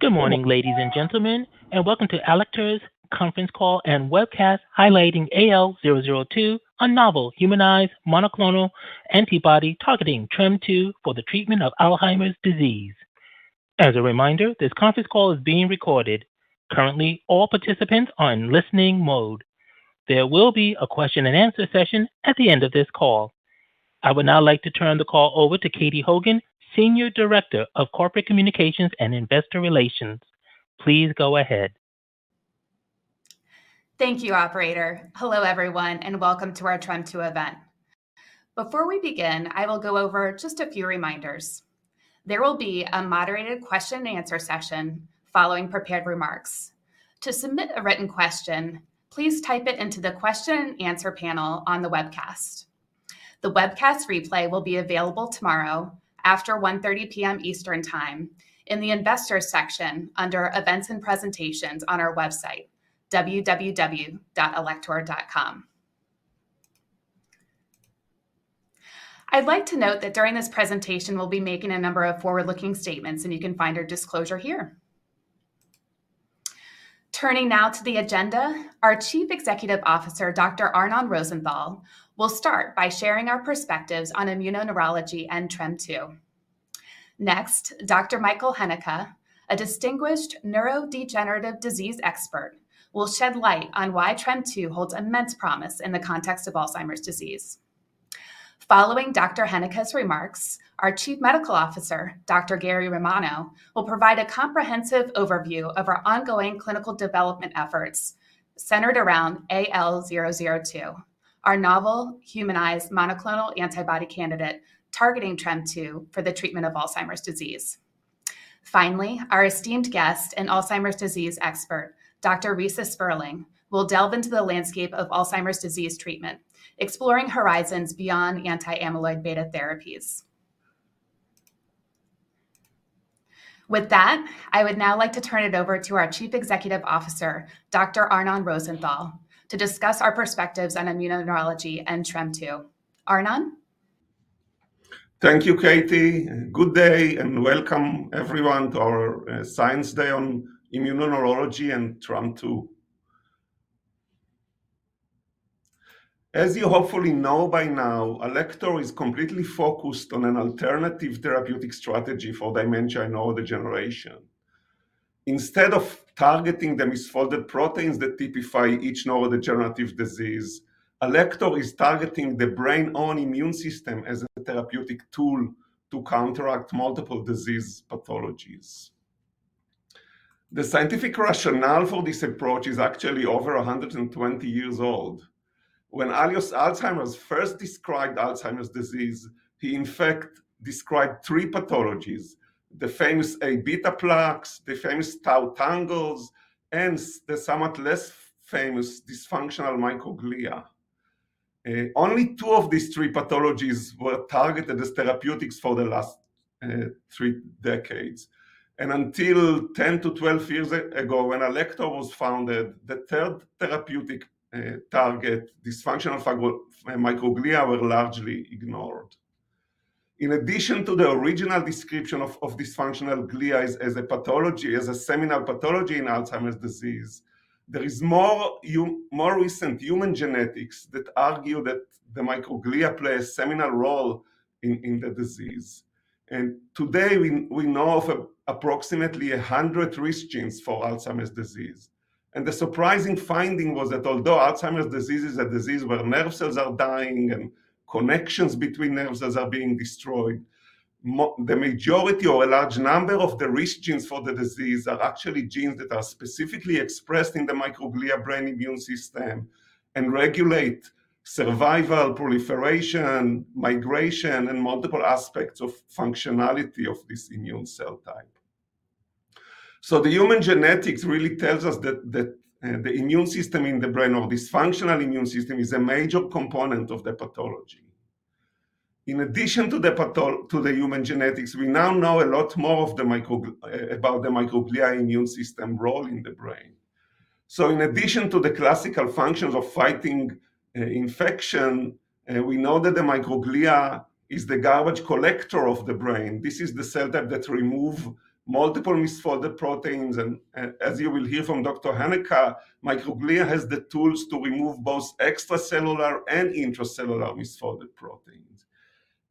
Good morning, ladies and gentlemen, and welcome to Alector conference call and webcast, highlighting AL002, a novel humanized monoclonal antibody targeting TREM2 for the treatment of Alzheimer's disease. As a reminder, this conference call is being recorded. Currently, all participants are in listening mode. There will be a question-and-answer session at the end of this call. I would now like to turn the call over to Katie Hogan, Senior Director of Corporate Communications and Investor Relations. Please go ahead. Thank you, operator. Hello, everyone, and welcome to our TREM2 event. Before we begin, I will go over just a few reminders. There will be a moderated question-and-answer session following prepared remarks. To submit a written question, please type it into the question and answer panel on the webcast. The webcast replay will be available tomorrow after 1:30 P.M. Eastern Time in the Investors section under Events and Presentations on our website, www.alector.com. I'd like to note that during this presentation, we'll be making a number of forward-looking statements, and you can find our disclosure here. Turning now to the agenda, our Chief Executive Officer, Dr. Arnon Rosenthal, will start by sharing our perspectives on immunoneurology and TREM2. Next, Dr. Michael Heneka, a distinguished neurodegenerative disease expert, will shed light on why TREM2 holds immense promise in the context of Alzheimer's disease. Following Dr. Heneka's remarks, our Chief Medical Officer, Dr. Gary Romano, will provide a comprehensive overview of our ongoing clinical development efforts centered around AL002, our novel humanized monoclonal antibody candidate, targeting TREM2 for the treatment of Alzheimer's disease. Finally, our esteemed guest and Alzheimer's disease expert, Dr. Reisa Sperling, will delve into the landscape of Alzheimer's disease treatment, exploring horizons beyond anti-amyloid beta therapies. With that, I would now like to turn it over to our Chief Executive Officer, Dr. Arnon Rosenthal, to discuss our perspectives on immunoneurology and TREM2. Arnon? Thank you, Katie. Good day, and welcome everyone to our Science Day on Immunoneurology and TREM2. As you hopefully know by now, Alector is completely focused on an alternative therapeutic strategy for dementia and neurodegeneration. Instead of targeting the misfolded proteins that typify each neurodegenerative disease, Alector is targeting the brain's own immune system as a therapeutic tool to counteract multiple disease pathologies. The scientific rationale for this approach is actually over 120 years old. When Alois Alzheimer first described Alzheimer's disease, he in fact described three pathologies: the famous Aβ plaques, the famous tau tangles, and the somewhat less famous dysfunctional microglia. Only two of these three pathologies were targeted as therapeutics for the last three decades, and until 10-12 years ago, when Alector was founded, the third therapeutic target, dysfunctional microglia, were largely ignored. In addition to the original description of dysfunctional glias as a pathology, as a seminal pathology in Alzheimer's disease, there is more recent human genetics that argue that the microglia play a seminal role in the disease. And today, we know of approximately 100 risk genes for Alzheimer's disease, and the surprising finding was that although Alzheimer's disease is a disease where nerve cells are dying and connections between nerve cells are being destroyed, the majority or a large number of the risk genes for the disease are actually genes that are specifically expressed in the microglia brain immune system and regulate survival, proliferation, migration, and multiple aspects of functionality of this immune cell type. So the human genetics really tells us that the immune system in the brain or dysfunctional immune system is a major component of the pathology. In addition to the human genetics, we now know a lot more about the microglia immune system role in the brain. So in addition to the classical functions of fighting infection, we know that the microglia is the garbage collector of the brain. This is the cell type that remove multiple misfolded proteins, and as you will hear from Dr. Heneka, microglia has the tools to remove both extracellular and intracellular misfolded proteins.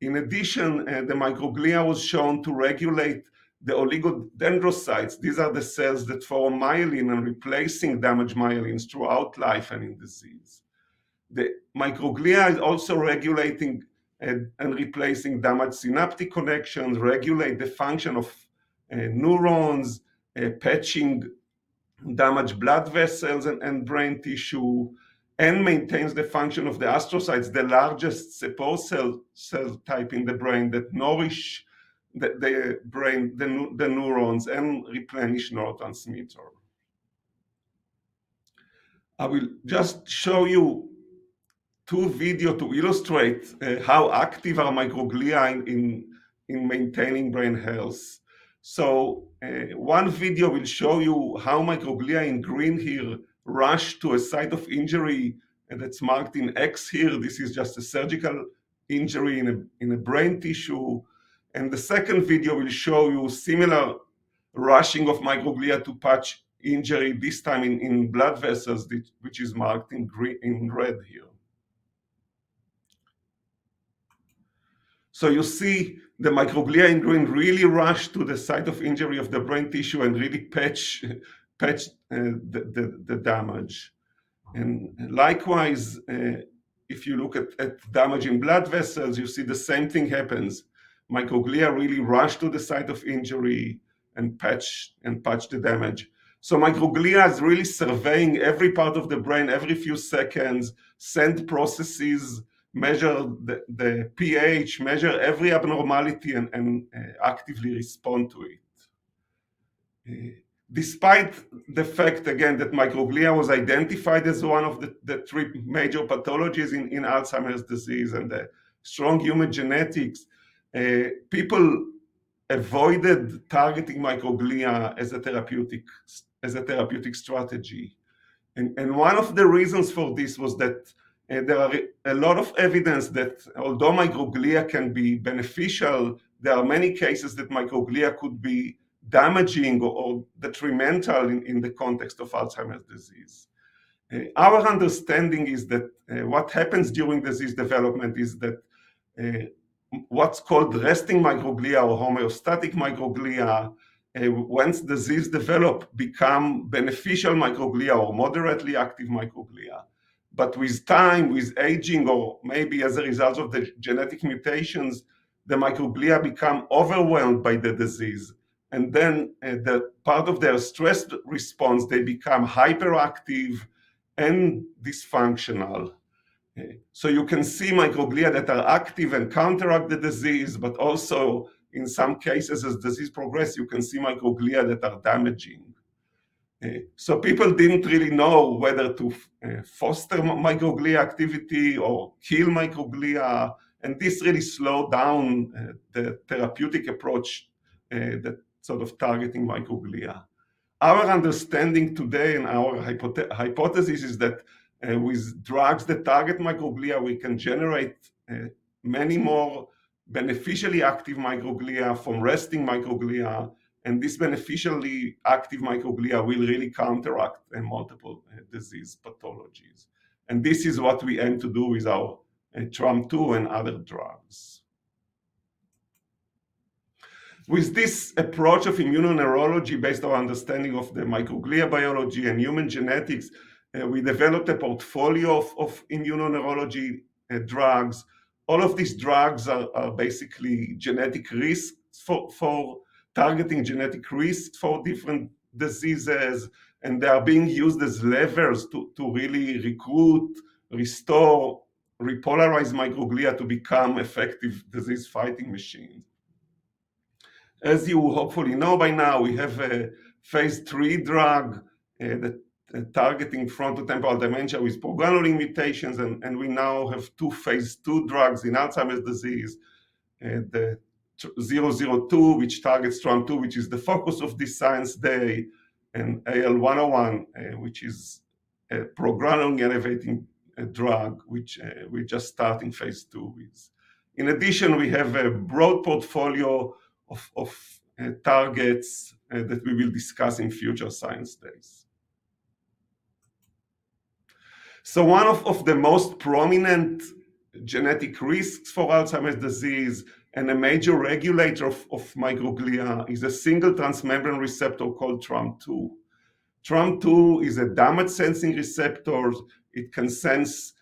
In addition, the microglia was shown to regulate the oligodendrocytes. These are the cells that form myelin and replacing damaged myelin throughout life and in disease. The microglia is also regulating and replacing damaged synaptic connections, regulate the function of neurons, patching damaged blood vessels and brain tissue, and maintains the function of the astrocytes, the largest supposed cell type in the brain that nourish the brain, the neurons, and replenish neurotransmitter. I will just show you two video to illustrate how active are microglia in maintaining brain health. So, one video will show you how microglia in green here rush to a site of injury, and it's marked in X here. This is just a surgical injury in a brain tissue. And the second video will show you similar rushing of microglia to patch injury, this time in blood vessels, which is marked in green in red here. So you see the microglia in green really rush to the site of injury of the brain tissue and really patch, patch, the damage. And likewise, if you look at damage in blood vessels, you see the same thing happens. Microglia really rush to the site of injury and patch, and patch the damage. So microglia is really surveying every part of the brain every few seconds, send processes, measure the pH, measure every abnormality, and actively respond to it. Despite the fact, again, that microglia was identified as one of the three major pathologies in Alzheimer's disease and the strong human genetics, people avoided targeting microglia as a therapeutic strategy. One of the reasons for this was that there are a lot of evidence that although microglia can be beneficial, there are many cases that microglia could be damaging or detrimental in the context of Alzheimer's disease. Our understanding is that what happens during disease development is that what's called resting microglia or homeostatic microglia, once disease develop, become beneficial microglia or moderately active microglia. But with time, with aging, or maybe as a result of the genetic mutations, the microglia become overwhelmed by the disease, and then the part of their stress response, they become hyperactive and dysfunctional. So you can see microglia that are active and counteract the disease, but also in some cases, as disease progress, you can see microglia that are damaging. So people didn't really know whether to foster microglia activity or kill microglia, and this really slowed down the therapeutic approach that sort of targeting microglia. Our understanding today and our hypothesis is that with drugs that target microglia, we can generate many more beneficially active microglia from resting microglia, and this beneficially active microglia will really counteract multiple disease pathologies. And this is what we aim to do with our TREM2 and other drugs. With this approach of immunoneurology, based on understanding of the microglia biology and human genetics, we developed a portfolio of immunoneurology drugs. All of these drugs are basically genetic risks for targeting genetic risks for different diseases, and they are being used as levers to really recruit, restore, repolarize microglia to become effective disease-fighting machines. As you hopefully know by now, we have a phase III drug targeting frontotemporal dementia with progranulin mutations, and we now have two phase II drugs in Alzheimer's disease. AL002, which targets TREM2, which is the focus of this Science Day, and AL101, which is a progranulin elevating drug, which we're just starting phase II with. In addition, we have a broad portfolio of targets that we will discuss in future Science Days. So one of the most prominent genetic risks for Alzheimer's disease and a major regulator of microglia is a single transmembrane receptor called TREM2. TREM2 is a damage-sensing receptor. It can sense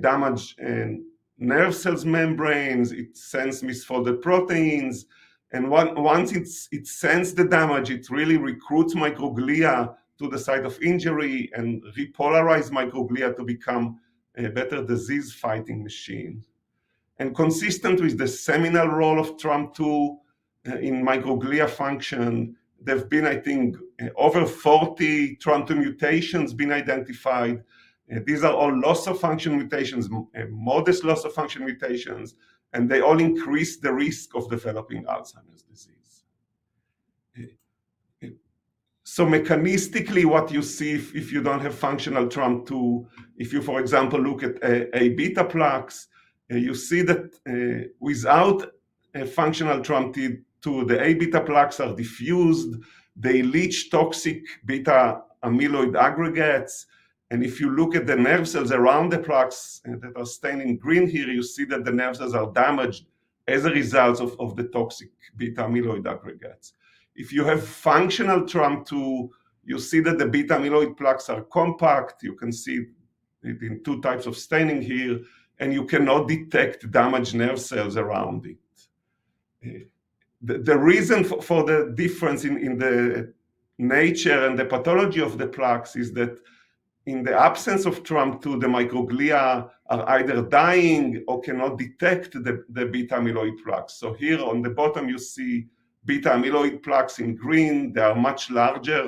damage in nerve cells' membranes, it sense misfolded proteins, and once it's, it sense the damage, it really recruits microglia to the site of injury and repolarize microglia to become a better disease-fighting machine. And consistent with the seminal role of TREM2 in microglia function, there have been, I think, over 40 TREM2 mutations been identified. These are all loss-of-function mutations, modest loss-of-function mutations, and they all increase the risk of developing Alzheimer's disease. So mechanistically, what you see if, if you don't have functional TREM2, if you, for example, look at Aβ plaques, you see that, without a functional TREM2, the Aβ plaques are diffused, they leach toxic beta amyloid aggregates. If you look at the nerve cells around the plaques that are stained in green here, you see that the nerve cells are damaged as a result of the toxic beta amyloid aggregates. If you have functional TREM2, you see that the beta amyloid plaques are compact. You can see it in two types of staining here, and you cannot detect damaged nerve cells around it. The reason for the difference in the nature and the pathology of the plaques is that in the absence of TREM2, the microglia are either dying or cannot detect the beta amyloid plaques. So here on the bottom, you see beta amyloid plaques in green. They are much larger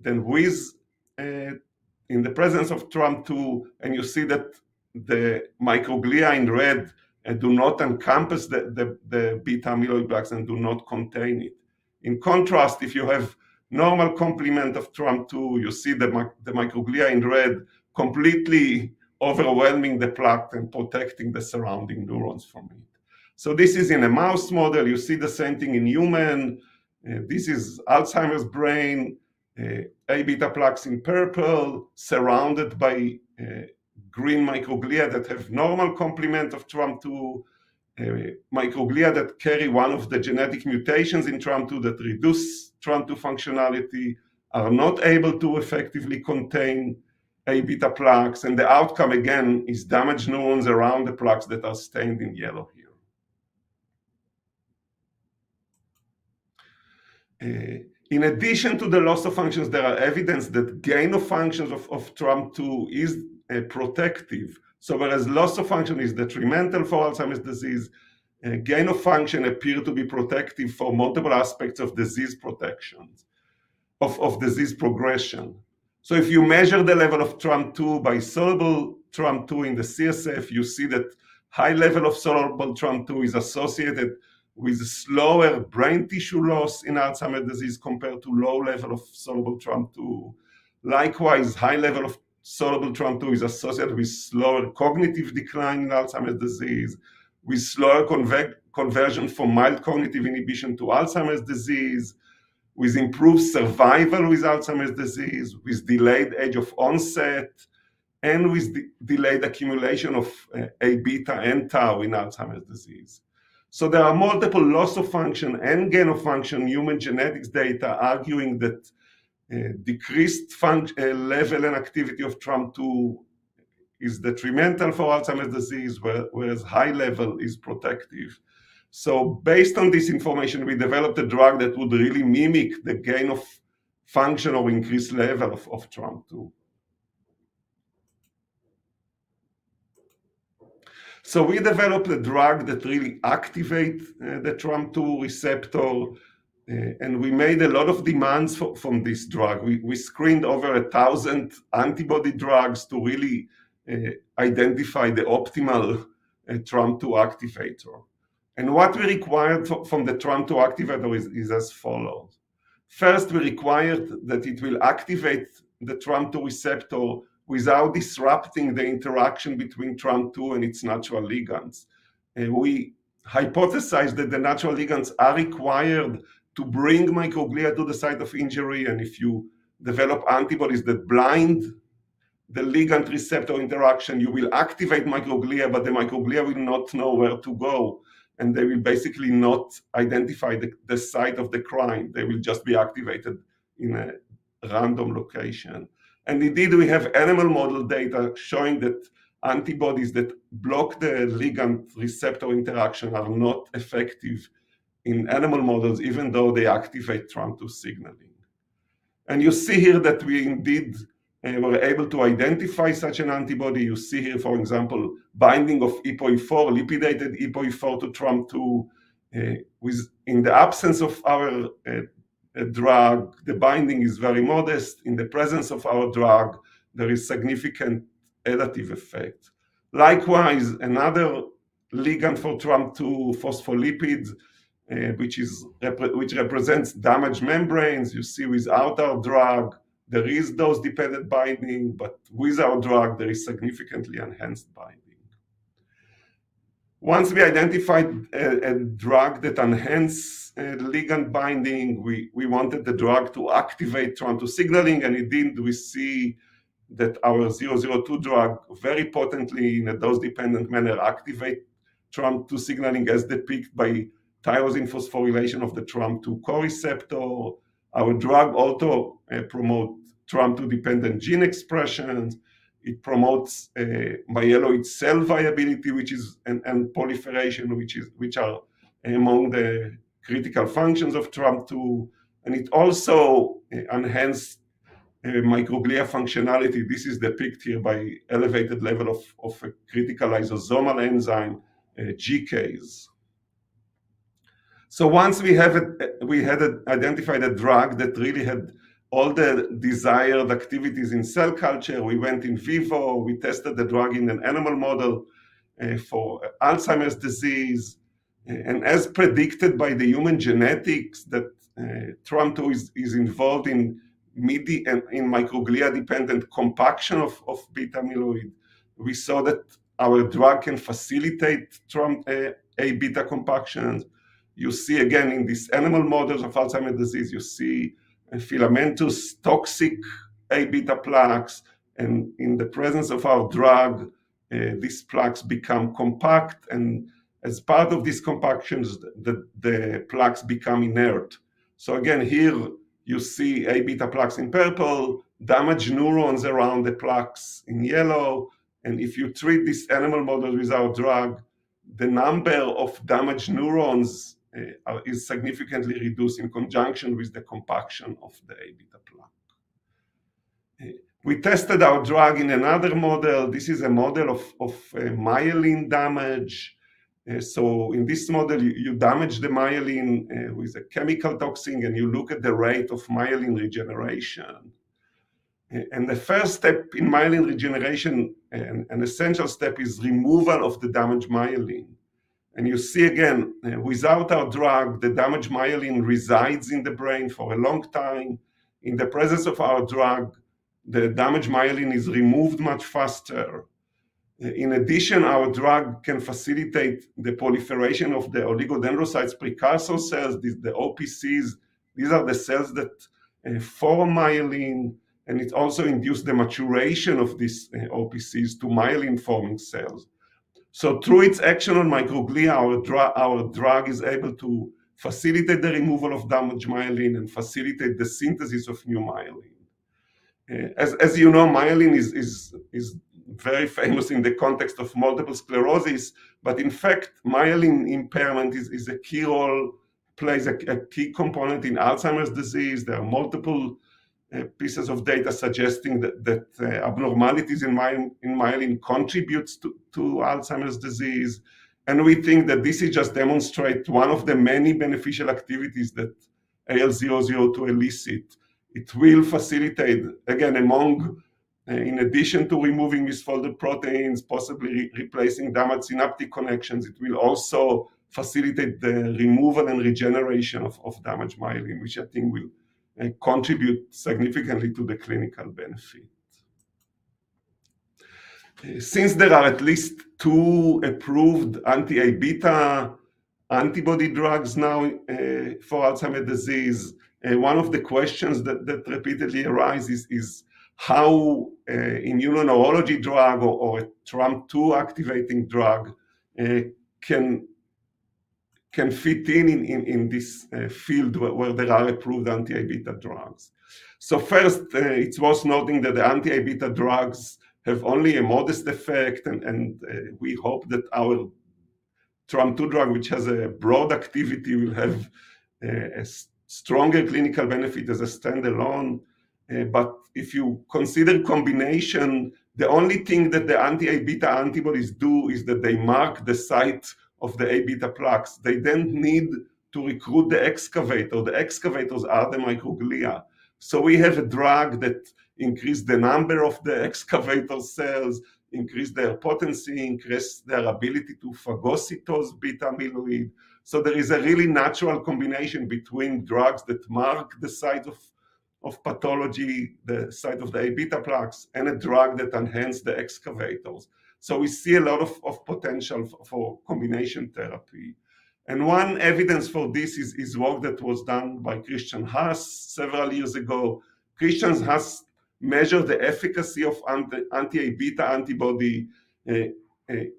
than with in the presence of TREM2, and you see that the microglia in red do not encompass the beta amyloid plaques and do not contain it. In contrast, if you have normal complement of TREM2, you see the microglia in red completely overwhelming the plaque and protecting the surrounding neurons from it. So this is in a mouse model. You see the same thing in human. This is Alzheimer's brain, Aβ plaques in purple, surrounded by green microglia that have normal complement of TREM2. Microglia that carry one of the genetic mutations in TREM2 that reduce TREM2 functionality are not able to effectively contain Aβ plaques, and the outcome, again, is damaged neurons around the plaques that are stained in yellow here. In addition to the loss of functions, there are evidence that gain-of-functions of TREM2 is protective. So whereas loss of function is detrimental for Alzheimer's disease, gain-of-function appear to be protective for multiple aspects of disease protections, of disease progression. So if you measure the level of TREM2 by soluble TREM2 in the CSF, you see that high level of soluble TREM2 is associated with slower brain tissue loss in Alzheimer's disease, compared to low level of soluble TREM2. Likewise, high level of soluble TREM2 is associated with slower cognitive decline in Alzheimer's disease, with slower conversion from mild cognitive impairment to Alzheimer's disease, with improved survival with Alzheimer's disease, with delayed age of onset, and with delayed accumulation of Aβ and tau in Alzheimer's disease. So there are multiple loss-of-function and gain-of-function human genetics data arguing that, decreased level and activity of TREM2 is detrimental for Alzheimer's disease, whereas high level is protective. So based on this information, we developed a drug that would really mimic the gain-of-function or increased level of TREM2. So we developed a drug that really activate the TREM2 receptor, and we made a lot of demands from this drug. We screened over 1,000 antibody drugs to really identify the optimal TREM2 activator. And what we required from the TREM2 activator is as follows: First, we required that it will activate the TREM2 receptor without disrupting the interaction between TREM2 and its natural ligands. We hypothesized that the natural ligands are required to bring microglia to the site of injury, and if you develop antibodies that blind the ligand receptor interaction, you will activate microglia, but the microglia will not know where to go, and they will basically not identify the site of the crime. They will just be activated in a random location. And indeed, we have animal model data showing that antibodies that block the ligand receptor interaction are not effective in animal models, even though they activate TREM2 signaling. And you see here that we indeed were able to identify such an antibody. You see here, for example, binding of apoE4, lipidated apoE4 to TREM2 in the absence of our drug, the binding is very modest. In the presence of our drug, there is significant additive effect. Likewise, another ligand for TREM2 phospholipids, which represents damaged membranes. You see, without our drug, there is dose-dependent binding, but with our drug, there is significantly enhanced binding. Once we identified a drug that enhance ligand binding, we wanted the drug to activate TREM2 signaling, and indeed, we see that our 002 drug, very potently, in a dose-dependent manner, activate TREM2 signaling, as depicted by tyrosine phosphorylation of the TREM2 coreceptor. Our drug also promote TREM2-dependent gene expressions. It promotes myeloid cell viability and proliferation, which are among the critical functions of TREM2, and it also enhance microglia functionality. This is depicted here by elevated level of a critical lysosomal enzyme, GCase. So once we had identified a drug that really had all the desired activities in cell culture, we went in vivo. We tested the drug in an animal model for Alzheimer's disease. And as predicted by the human genetics, that TREM2 is involved in microglia-dependent compaction of beta amyloid, we saw that our drug can facilitate TREM2 Aβ compactions. You see, again, in these animal models of Alzheimer's disease, you see a filamentous, toxic Aβ plaques, and in the presence of our drug, these plaques become compact, and as part of these compactions, the plaques become inert. So again, here you see Aβ plaques in purple, damaged neurons around the plaques in yellow, and if you treat these animal models with our drug, the number of damaged neurons is significantly reduced in conjunction with the compaction of the Aβ plaque. We tested our drug in another model. This is a model of myelin damage. So in this model, you damage the myelin with a chemical toxin, and you look at the rate of myelin regeneration.... The first step in myelin regeneration, and an essential step, is removal of the damaged myelin. You see again, without our drug, the damaged myelin resides in the brain for a long time. In the presence of our drug, the damaged myelin is removed much faster. In addition, our drug can facilitate the proliferation of the oligodendrocyte precursor cells, the OPCs. These are the cells that form myelin, and it also induce the maturation of these OPCs to myelin-forming cells. So through its action on microglia, our drug, our drug is able to facilitate the removal of damaged myelin and facilitate the synthesis of new myelin. As you know, myelin is very famous in the context of multiple sclerosis, but in fact, myelin impairment plays a key component in Alzheimer's disease. There are multiple pieces of data suggesting that abnormalities in myelin contributes to Alzheimer's disease. And we think that this is just demonstrate one of the many beneficial activities that AL002 elicit. It will facilitate, again, among, in addition to removing misfolded proteins, possibly replacing damaged synaptic connections, it will also facilitate the removal and regeneration of damaged myelin, which I think will contribute significantly to the clinical benefit. Since there are at least two approved anti-Aβ antibody drugs now for Alzheimer's disease, one of the questions that repeatedly arises is how an immuno-neurology drug or a TREM2-activating drug can fit in in this field where there are approved anti-Aβ drugs? So first, it's worth noting that the anti-Aβ drugs have only a modest effect, and we hope that our TREM2 drug, which has a broad activity, will have a stronger clinical benefit as a standalone. But if you consider combination, the only thing that the anti-Aβ antibodies do is that they mark the site of the Aβ plaques. They don't need to recruit the excavator. The excavators are the microglia. So we have a drug that increase the number of the excavator cells, increase their potency, increase their ability to phagocytose beta amyloid. So there is a really natural combination between drugs that mark the site of pathology, the site of the Aβ plaques, and a drug that enhance the excavators. So we see a lot of potential for combination therapy. And one evidence for this is work that was done by Christian Haass several years ago. Christian Haass measured the efficacy of anti-Aβ antibody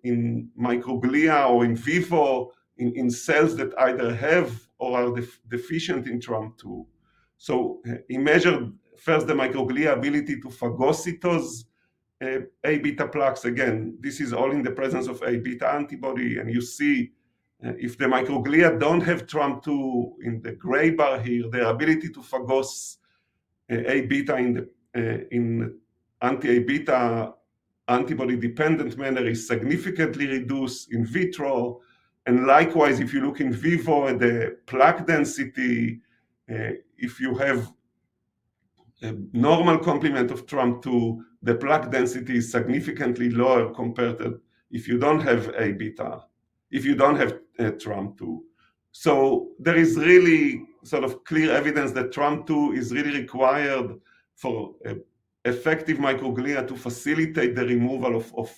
in microglia or in vivo, in cells that either have or are deficient in TREM2. So he measured first the microglia ability to phagocytose Aβ plaques. Again, this is all in the presence of Aβ antibody, and you see if the microglia don't have TREM2 in the gray bar here, their ability to phagocytose Aβ in the in anti-Aβ antibody-dependent manner is significantly reduced in vitro. And likewise, if you look in vivo at the plaque density, if you have a normal complement of TREM2, the plaque density is significantly lower compared to if you don't have Aβ, if you don't have TREM2. So there is really sort of clear evidence that TREM2 is really required for effective microglia to facilitate the removal of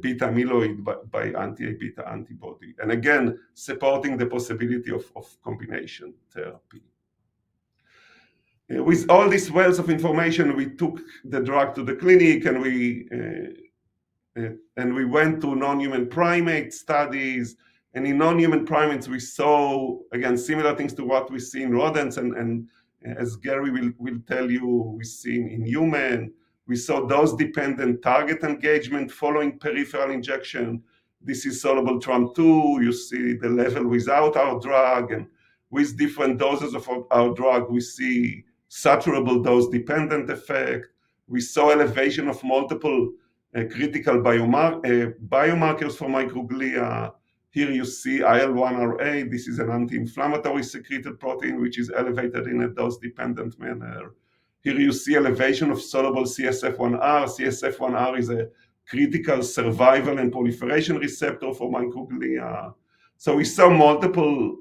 beta amyloid by anti-Aβ antibody, and again, supporting the possibility of combination therapy. With all this wealth of information, we took the drug to the clinic, and we went to non-human primate studies. And in non-human primates, we saw, again, similar things to what we see in rodents, and as Gary will tell you, we see in human. We saw dose-dependent target engagement following peripheral injection. This is soluble TREM2. You see the level without our drug and with different doses of our drug, we see saturable dose-dependent effect. We saw elevation of multiple critical biomarkers for microglia. Here you see IL-1RA. This is an anti-inflammatory secreted protein, which is elevated in a dose-dependent manner. Here you see elevation of soluble CSF1R. CSF1R is a critical survival and proliferation receptor for microglia. So we saw multiple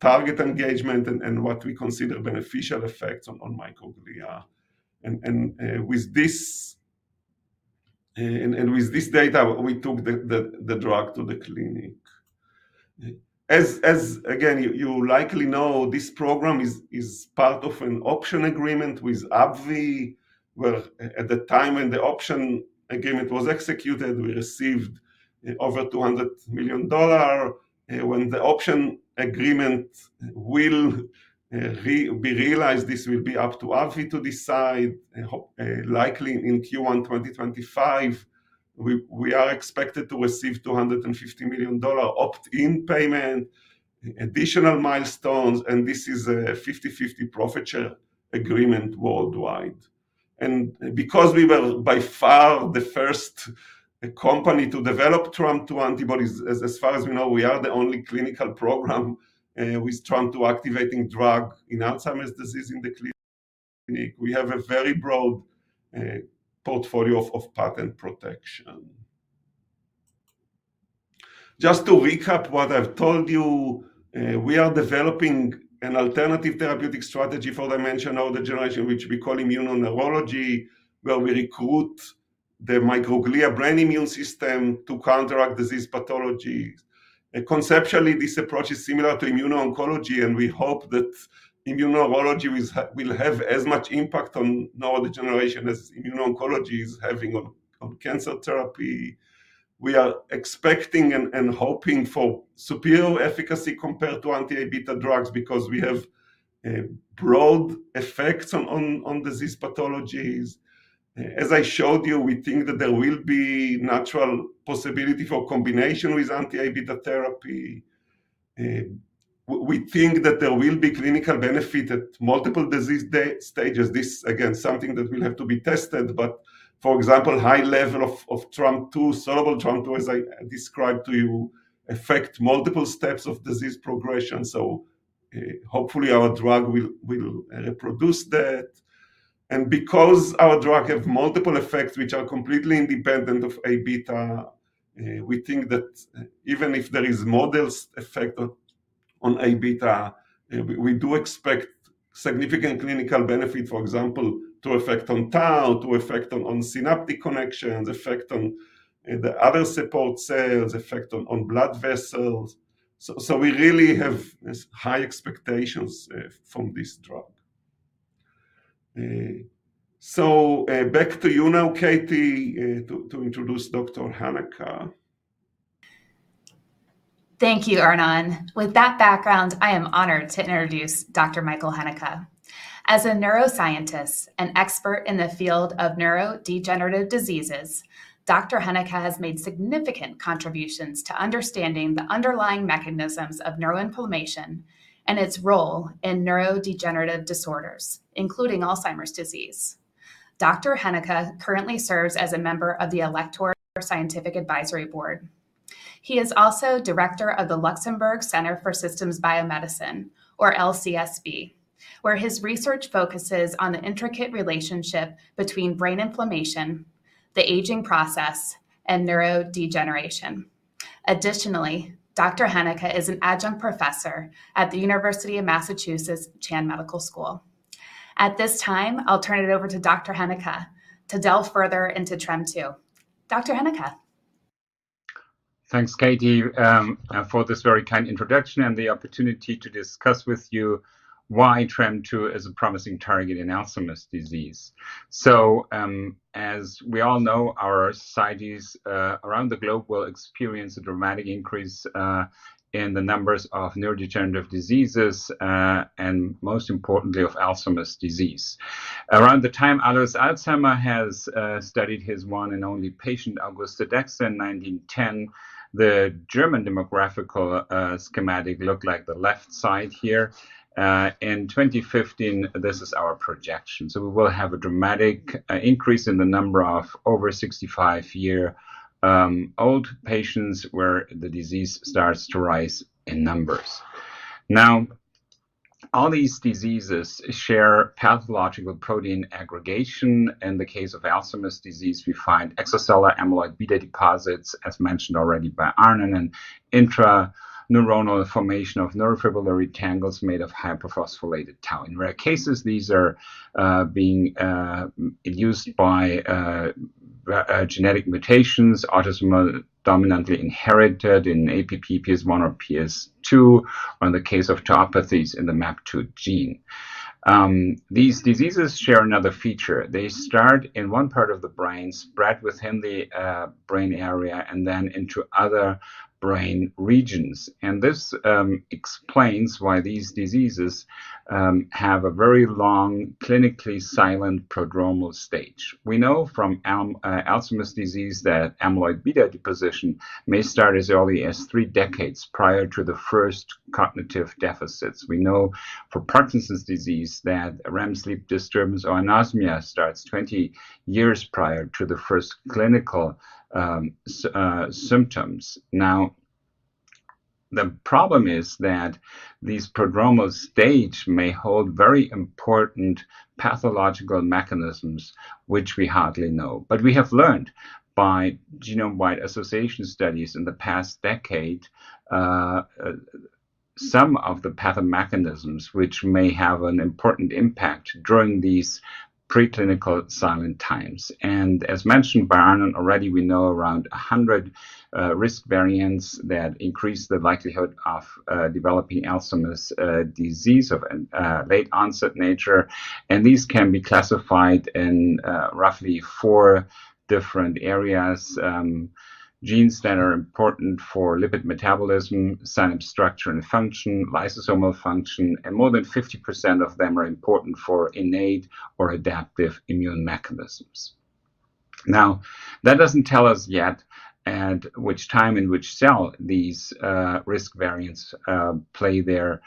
target engagement and what we consider beneficial effects on microglia. With this data, we took the drug to the clinic. As again, you likely know, this program is part of an option agreement with AbbVie, where at the time when the option agreement was executed, we received over $200 million. When the option agreement will be realized, this will be up to AbbVie to decide, likely in Q1 2025. We are expected to receive $250 million opt-in payment, additional milestones, and this is a 50/50 profit share agreement worldwide. And because we were by far the first company to develop TREM2 antibodies, as far as we know, we are the only clinical program with TREM2 activating drug in Alzheimer's disease in the clinic. We have a very broad portfolio of patent protection. Just to recap what I've told you, we are developing an alternative therapeutic strategy for dementia neurodegeneration, which we call immuno-neurology, where we recruit the microglia brain immune system to counteract disease pathologies. Conceptually, this approach is similar to immuno-oncology, and we hope that immuno-neurology will have as much impact on neurodegeneration as immuno-oncology is having on cancer therapy. We are expecting and hoping for superior efficacy compared to anti-Aβ drugs because we have broad effects on disease pathologies. As I showed you, we think that there will be natural possibility for combination with anti-Aβ therapy. We think that there will be clinical benefit at multiple disease stages. This, again, something that will have to be tested, but for example, high level of TREM2, soluble TREM2, as I described to you, affect multiple steps of disease progression, so, hopefully our drug will produce that. And because our drug have multiple effects, which are completely independent of Abeta, we think that even if there is modest effect on Abeta, we do expect significant clinical benefit, for example, effect on tau, effect on synaptic connections, effect on the other support cells, effect on blood vessels. So we really have high expectations from this drug. So, back to you now, Katie, to introduce Dr. Heneka. Thank you, Arnon. With that background, I am honored to introduce Dr. Michael Heneka. As a neuroscientist and expert in the field of neurodegenerative diseases, Dr. Heneka has made significant contributions to understanding the underlying mechanisms of neuroinflammation and its role in neurodegenerative disorders, including Alzheimer's disease. Dr. Heneka currently serves as a member of the Alector Scientific Advisory Board. He is also director of the Luxembourg Centre for Systems Biomedicine, or LCSB, where his research focuses on the intricate relationship between brain inflammation, the aging process, and neurodegeneration. Additionally, Dr. Heneka is an adjunct professor at the University of Massachusetts Chan Medical School. At this time, I'll turn it over to Dr. Heneka to delve further into TREM2. Dr. Heneka? Thanks, Katie, for this very kind introduction and the opportunity to discuss with you why TREM2 is a promising target in Alzheimer's disease. As we all know, our societies around the globe will experience a dramatic increase in the numbers of neurodegenerative diseases and most importantly, of Alzheimer's disease. Around the time Alois Alzheimer has studied his one and only patient, Auguste Deter, in 1910, the German demographic schematic looked like the left side here. In 2015, this is our projection. We will have a dramatic increase in the number of over 65-year-old patients, where the disease starts to rise in numbers. Now, all these diseases share pathological protein aggregation. In the case of Alzheimer's disease, we find extracellular amyloid beta deposits, as mentioned already by Arnon, and intraneuronal formation of neurofibrillary tangles made of hyperphosphorylated tau. In rare cases, these are being used by genetic mutations, autosomal dominantly inherited in APP, PS1 or PS2, or in the case of tauopathies in the MAPT gene. These diseases share another feature. They start in one part of the brain, spread within the brain area, and then into other brain regions. And this explains why these diseases have a very long, clinically silent prodromal stage. We know from Alzheimer's disease that amyloid beta deposition may start as early as 3 decades prior to the first cognitive deficits. We know for Parkinson's disease that REM sleep disturbance or anosmia starts 20 years prior to the first clinical symptoms. Now, the problem is that these prodromal stage may hold very important pathological mechanisms, which we hardly know. But we have learned by genome-wide association studies in the past decade, some of the pathomechanisms which may have an important impact during these preclinical silent times. And as mentioned by Arnon already, we know around 100 risk variants that increase the likelihood of developing Alzheimer's disease of late onset nature, and these can be classified in roughly 4 different areas: genes that are important for lipid metabolism, synapse structure and function, lysosomal function, and more than 50% of them are important for innate or adaptive immune mechanisms. Now, that doesn't tell us yet at which time in which cell these risk variants play their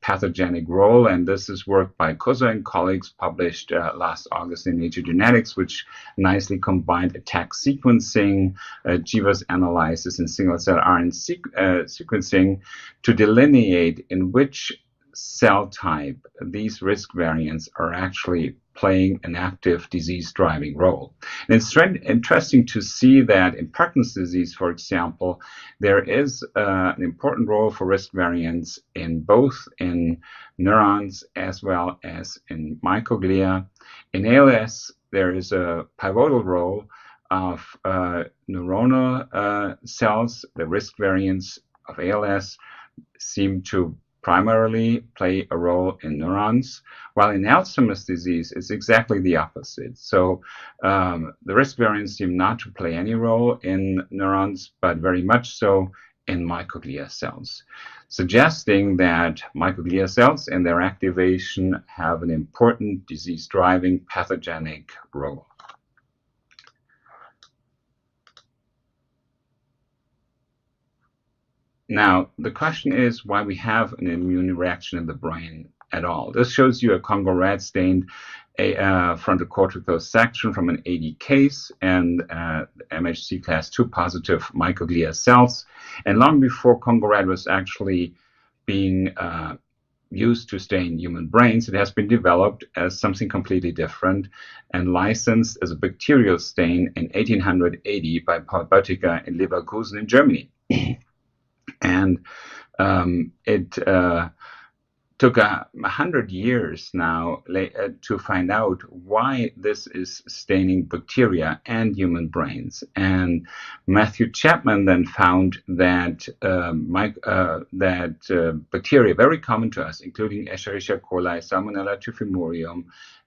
pathogenic role, and this is work by Kosoy and colleagues, published last August in Nature Genetics, which nicely combined ATAC sequencing, GWAS analysis, and single-cell RNA sequencing, to delineate in which cell type these risk variants are actually playing an active disease-driving role. It's very interesting to see that in Parkinson's disease, for example, there is an important role for risk variants in both neurons as well as in microglia. In ALS, there is a pivotal role of neuronal cells. The risk variants of ALS seem to primarily play a role in neurons, while in Alzheimer's disease, it's exactly the opposite. So, the risk variants seem not to play any role in neurons, but very much so in microglia cells, suggesting that microglia cells and their activation have an important disease-driving pathogenic role. Now, the question is why we have an immune reaction in the brain at all. This shows you a Congo red-stained, a frontal cortical section from an AD case, and MHC class II positive microglia cells. And long before Congo red was actually being used to stain human brains, it has been developed as something completely different and licensed as a bacterial stain in 1880 by Paul Böttger in Leverkusen, in Germany. And it took 100 years now to find out why this is staining bacteria and human brains. Matthew Chapman then found that bacteria very common to us, including Escherichia coli, Salmonella typhimurium,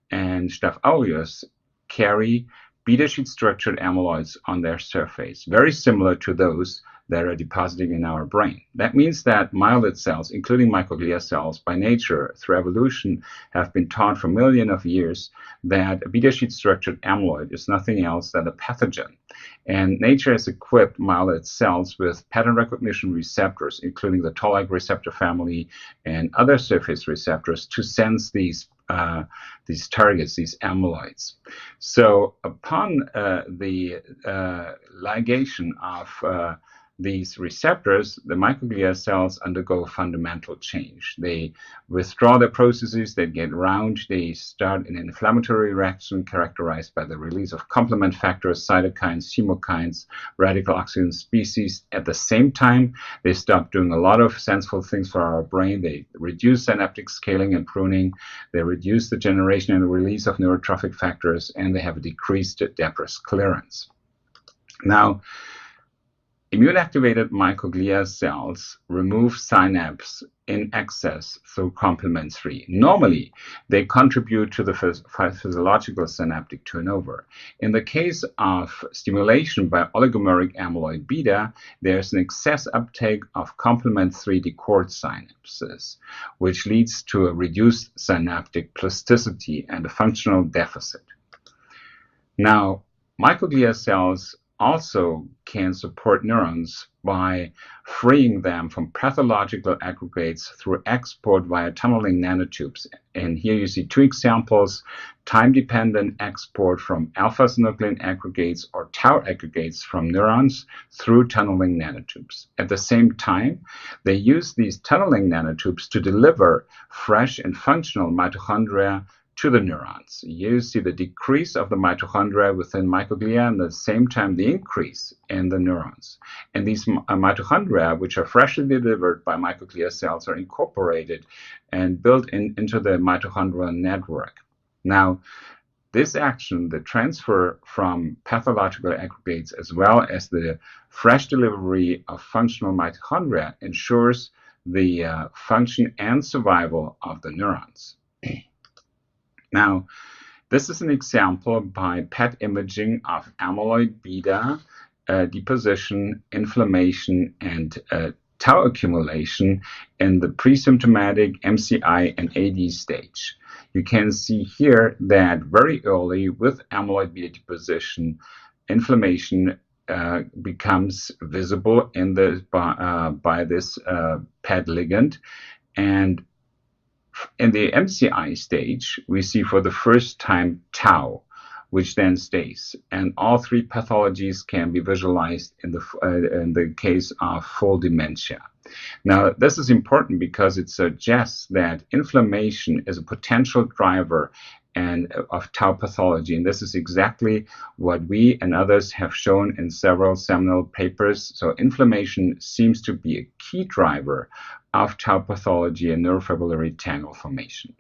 and Staphylococcus, carry beta-sheet structured amyloids on their surface, very similar to those that are depositing in our brain. That means that myeloid cells, including microglia cells, by nature, through evolution, have been taught for millions of years that a beta-sheet structured amyloid is nothing else than a pathogen. Nature has equipped myeloid cells with pattern recognition receptors, including the toll-like receptor family and other surface receptors, to sense these targets, these amyloids. So upon ligation of these receptors, the microglia cells undergo a fundamental change. They withdraw their processes, they get round, they start an inflammatory reaction characterized by the release of complement factors, cytokines, chemokines, radical oxygen species. At the same time, they stop doing a lot of sensible things for our brain. They reduce synaptic scaling and pruning, they reduce the generation and the release of neurotrophic factors, and they have a decreased debris clearance. Now, immune-activated microglia cells remove synapse in excess through complement three. Normally, they contribute to the physiological synaptic turnover. In the case of stimulation by oligomeric amyloid beta, there's an excess uptake of complement three-decorated synapses, which leads to a reduced synaptic plasticity and a functional deficit. Now, microglia cells also can support neurons by freeing them from pathological aggregates through export via tunneling nanotubes. And here you see two examples: time-dependent export from α-synuclein aggregates or tau aggregates from neurons through tunneling nanotubes. At the same time, they use these tunneling nanotubes to deliver fresh and functional mitochondria to the neurons. You see the decrease of the mitochondria within microglia, and at the same time, the increase in the neurons. And these mitochondria, which are freshly delivered by microglia cells, are incorporated and built into the mitochondrial network. Now, this action, the transfer from pathological aggregates, as well as the fresh delivery of functional mitochondria, ensures the function and survival of the neurons. Now, this is an example by PET imaging of amyloid beta deposition, inflammation, and tau accumulation in the presymptomatic MCI and AD stage. You can see here that very early with amyloid beta deposition, inflammation becomes visible by this PET ligand. And in the MCI stage, we see for the first time tau, which then stays, and all three pathologies can be visualized in the case of full dementia. Now, this is important because it suggests that inflammation is a potential driver and of tau pathology, and this is exactly what we and others have shown in several seminal papers. So inflammation seems to be a key driver of tau pathology and neurofibrillary tangle formation.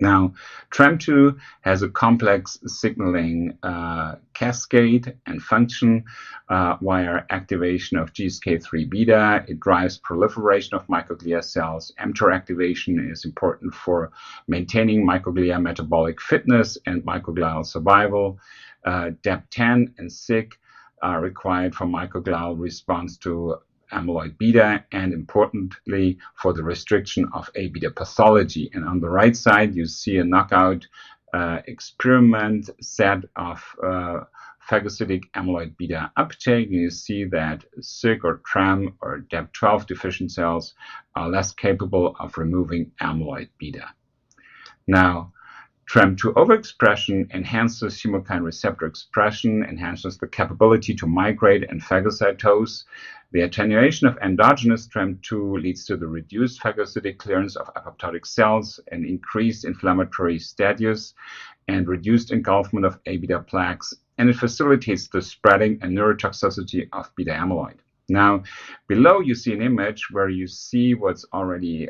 Now, TREM2 has a complex signaling, cascade and function, via activation of GSK-3beta. It drives proliferation of microglia cells. mTOR activation is important for maintaining microglia metabolic fitness and microglial survival. DAP10 and Syk are required for microglial response to amyloid beta and importantly, for the restriction of A-beta pathology. And on the right side, you see a knockout experiment set of phagocytic amyloid beta uptake. You see that Syk or TREM or DAP12-deficient cells are less capable of removing amyloid beta. Now, TREM2 overexpression enhances chemokine receptor expression, enhances the capability to migrate and phagocytose. The attenuation of endogenous TREM2 leads to the reduced phagocytic clearance of apoptotic cells, and increased inflammatory status, and reduced engulfment of A-beta plaques, and it facilitates the spreading and neurotoxicity of beta amyloid. Now, below you see an image where you see what's already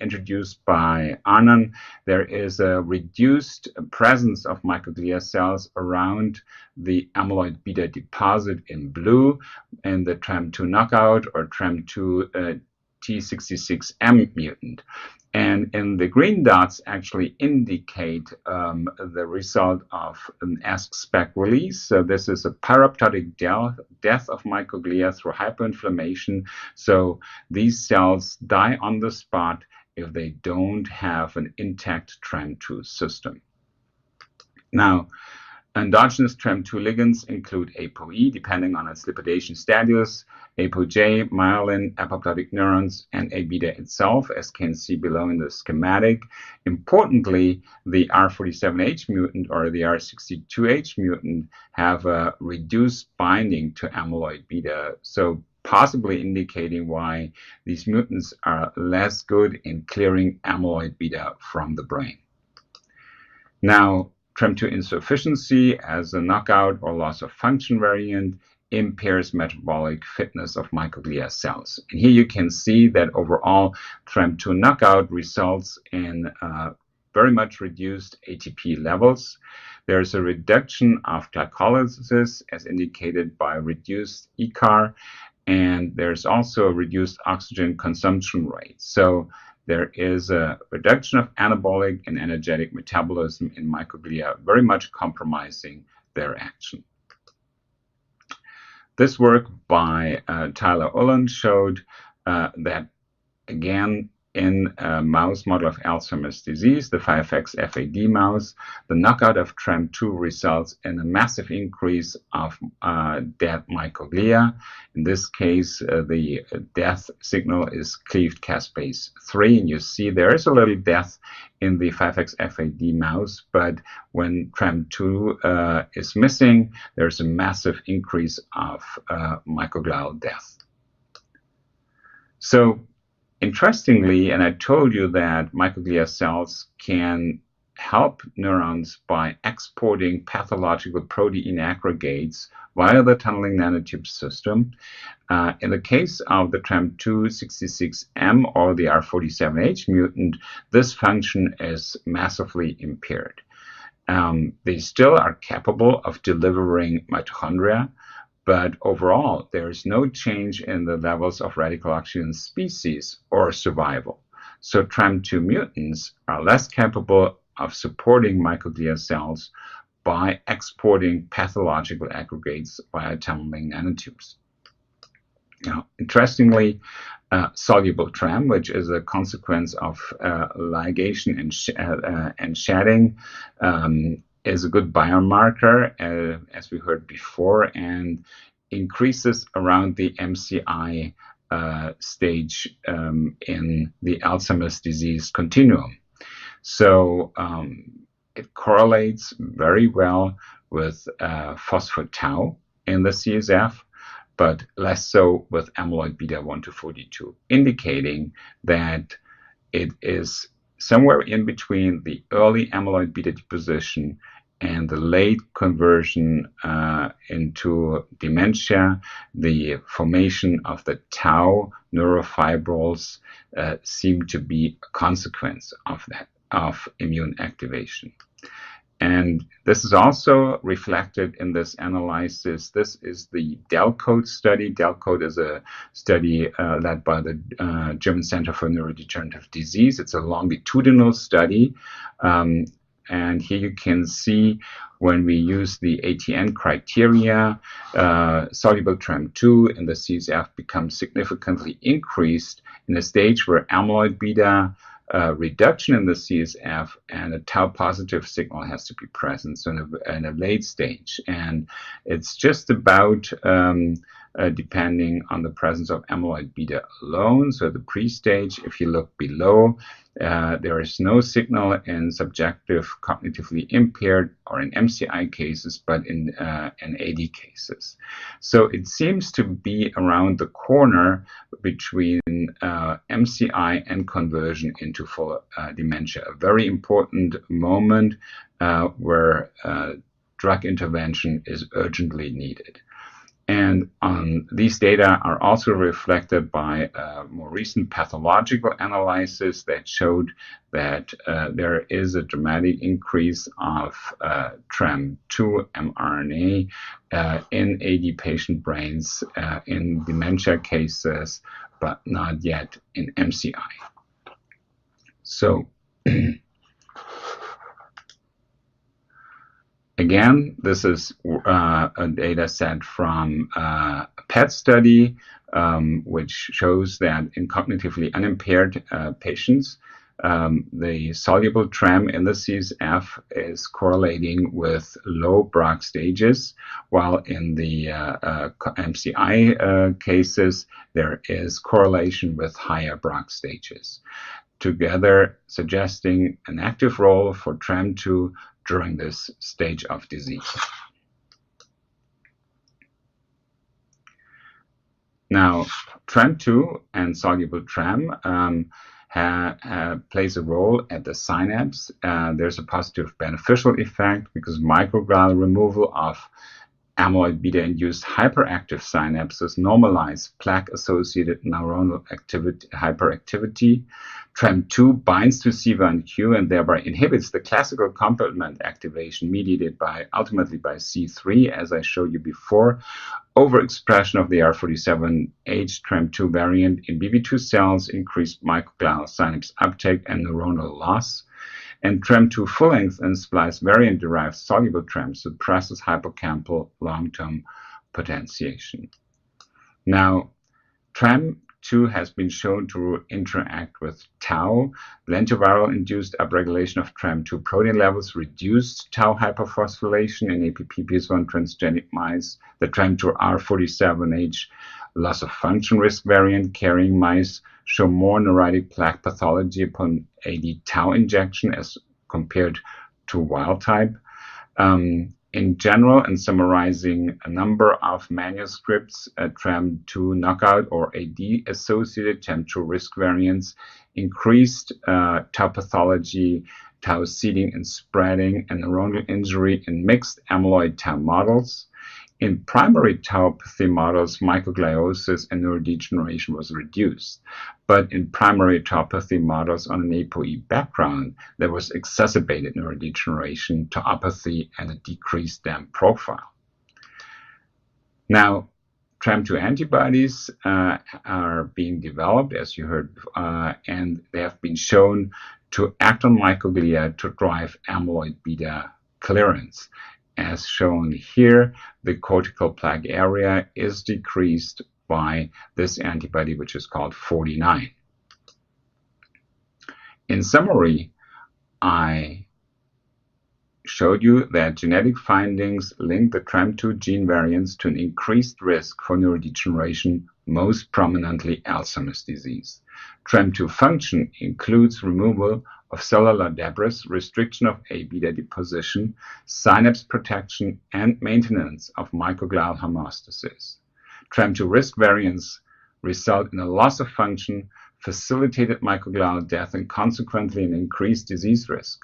introduced by Anand. There is a reduced presence of microglia cells around the amyloid beta deposit in blue, and the TREM2 knockout or TREM2 T66M mutant. And the green dots actually indicate the result of an ASC speck release. So this is a apoptotic death, death of microglia through hyperinflammation. So these cells die on the spot if they don't have an intact TREM2 system. Now, endogenous TREM2 ligands include ApoE, depending on its lipidation status, ApoJ, myelin, apoptotic neurons, and A-beta itself, as you can see below in the schematic. Importantly, the R47H mutant or the R62H mutant have a reduced binding to amyloid beta, so possibly indicating why these mutants are less good in clearing amyloid beta from the brain. Now, TREM2 insufficiency as a knockout or loss-of-function variant impairs metabolic fitness of microglia cells. And here you can see that overall, TREM2 knockout results in very much reduced ATP levels. There is a reduction of glycolysis, as indicated by reduced ECAR, and there's also a reduced oxygen consumption rate. So there is a reduction of anabolic and energetic metabolism in microglia, very much compromising their action. This work by Tyler Ulland showed that again, in a mouse model of Alzheimer's disease, the 5XFAD mouse, the knockout of TREM2 results in a massive increase of dead microglia. In this case, the death signal is cleaved caspase-3, and you see there is already death in the 5XFAD mouse, but when TREM2 is missing, there is a massive increase of microglial death. So interestingly, and I told you that microglia cells can help neurons by exporting pathological protein aggregates via the tunneling nanotube system. In the case of the TREM2 T66M or the R47H mutant, this function is massively impaired. They still are capable of delivering mitochondria, but overall, there is no change in the levels of radical oxygen species or survival. So TREM2 mutants are less capable of supporting microglia cells by exporting pathological aggregates via tunneling nanotubes. Now, interestingly, soluble TREM2, which is a consequence of ligation and shedding, is a good biomarker, as we heard before, and increases around the MCI stage in the Alzheimer's disease continuum. So, it correlates very well with phospho-tau in the CSF, but less so with amyloid beta 1-42, indicating that it is somewhere in between the early amyloid beta deposition and the late conversion into dementia. The formation of the tau neurofibrils seem to be a consequence of that, of immune activation. And this is also reflected in this analysis. This is the DELCODE study. DELCODE is a study led by the German Center for Neurodegenerative Diseases. It's a longitudinal study, and here you can see when we use the ATN criteria, soluble TREM2, and the CSF becomes significantly increased in a stage where amyloid beta, reduction in the CSF and a tau-positive signal has to be present, so in a late stage. It's just about, depending on the presence of amyloid beta alone, so the pre-stage, if you look below, there is no signal in subjective cognitively impaired or in MCI cases, but in AD cases. It seems to be around the corner between MCI and conversion into full dementia, a very important moment, where drug intervention is urgently needed. And, these data are also reflected by a more recent pathological analysis that showed that, there is a dramatic increase of, TREM2 mRNA, in AD patient brains, in dementia cases, but not yet in MCI. So again, this is, a dataset from, a PET study, which shows that in cognitively unimpaired, patients, the soluble TREM in the CSF is correlating with low Braak stages, while in the, MCI, cases, there is correlation with higher Braak stages, together suggesting an active role for TREM2 during this stage of disease. Now, TREM2 and soluble TREM plays a role at the synapse. There's a positive beneficial effect because microglial removal of amyloid beta-induced hyperactive synapses normalize plaque-associated neuronal activity--hyperactivity. TREM2 binds to C1Q, and thereby inhibits the classical complement activation mediated by, ultimately by C3, as I showed you before. Overexpression of the R47H TREM2 variant in BV-2 cells increased microglial synapse uptake and neuronal loss, and TREM2 full-length and splice variant-derived soluble TREM suppresses hippocampal long-term potentiation. Now, TREM2 has been shown to interact with tau. Lentiviral-induced upregulation of TREM2 protein levels reduced tau hyperphosphorylation in APP PS1 transgenic mice. The TREM2 R47H loss-of-function risk variant carrying mice show more neuritic plaque pathology upon AD tau injection as compared to wild type. In general, in summarizing a number of manuscripts, TREM2 knockout or AD-associated TREM2 risk variants increased tau pathology, tau seeding and spreading, and neuronal injury in mixed amyloid tau models. In primary tauopathy models, microgliosis and neurodegeneration was reduced, but in primary tauopathy models on an APOE background, there was exacerbated neurodegeneration tauopathy and a decreased DAM profile. Now, TREM2 antibodies are being developed, as you heard, and they have been shown to act on microglia to drive amyloid beta clearance. As shown here, the cortical plaque area is decreased by this antibody, which is called 49. In summary, I showed you that genetic findings link the TREM2 gene variants to an increased risk for neurodegeneration, most prominently Alzheimer's disease. TREM2 function includes removal of cellular debris, restriction of Aβ deposition, synapse protection, and maintenance of microglial homeostasis. TREM2 risk variants result in a loss of function, facilitated microglial death, and consequently, an increased disease risk.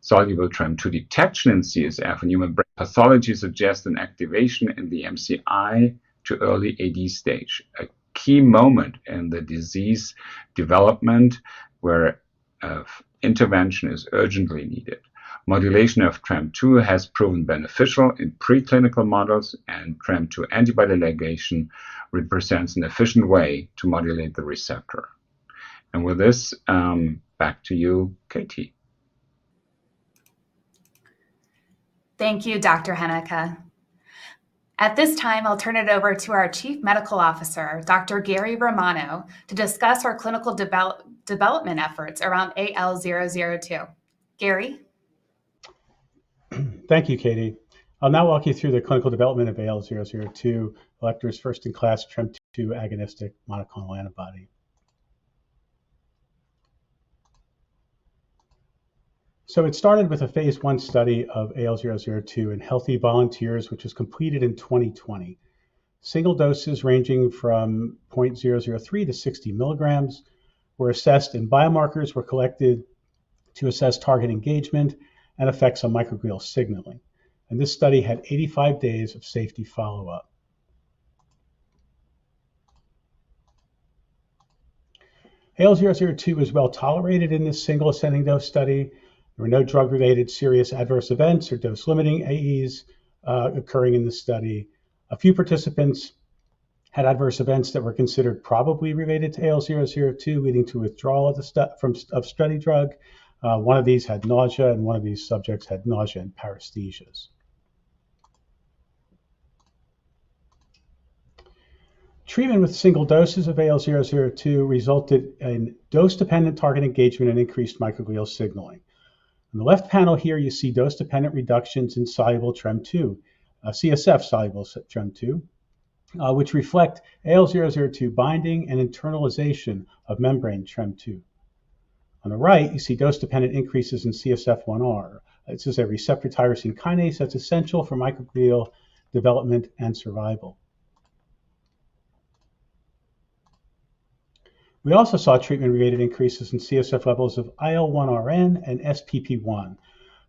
Soluble TREM2 detection in CSF and human brain pathology suggest an activation in the MCI to early AD stage, a key moment in the disease development where intervention is urgently needed. Modulation of TREM2 has proven beneficial in preclinical models, and TREM2 antibody ligation represents an efficient way to modulate the receptor. And with this, back to you, Katie. Thank you, Dr. Heneka. At this time, I'll turn it over to our Chief Medical Officer, Dr. Gary Romano, to discuss our clinical development efforts around AL002. Gary? Thank you, Katie. I'll now walk you through the clinical development of AL002, Alector's first-in-class TREM2 agonistic monoclonal antibody. It started with a phase I study of AL002 in healthy volunteers, which was completed in 2020. Single doses ranging from 0.003-60 milligrams were assessed, and biomarkers were collected to assess target engagement and effects on microglial signaling. This study had 85 days of safety follow-up. AL002 was well-tolerated in this single ascending dose study. There were no drug-related serious adverse events or dose-limiting AEs occurring in the study. A few participants had adverse events that were considered probably related to AL002, leading to withdrawal of study drug. One of these had nausea, and one of these subjects had nausea and paresthesias. Treatment with single doses of AL002 resulted in dose-dependent target engagement and increased microglial signaling. On the left panel here, you see dose-dependent reductions in soluble TREM2, CSF soluble TREM2, which reflect AL002 binding and internalization of membrane TREM2. On the right, you see dose-dependent increases in CSF1R. This is a receptor tyrosine kinase that's essential for microglial development and survival. We also saw treatment-related increases in CSF levels of IL-1RN and SPP1,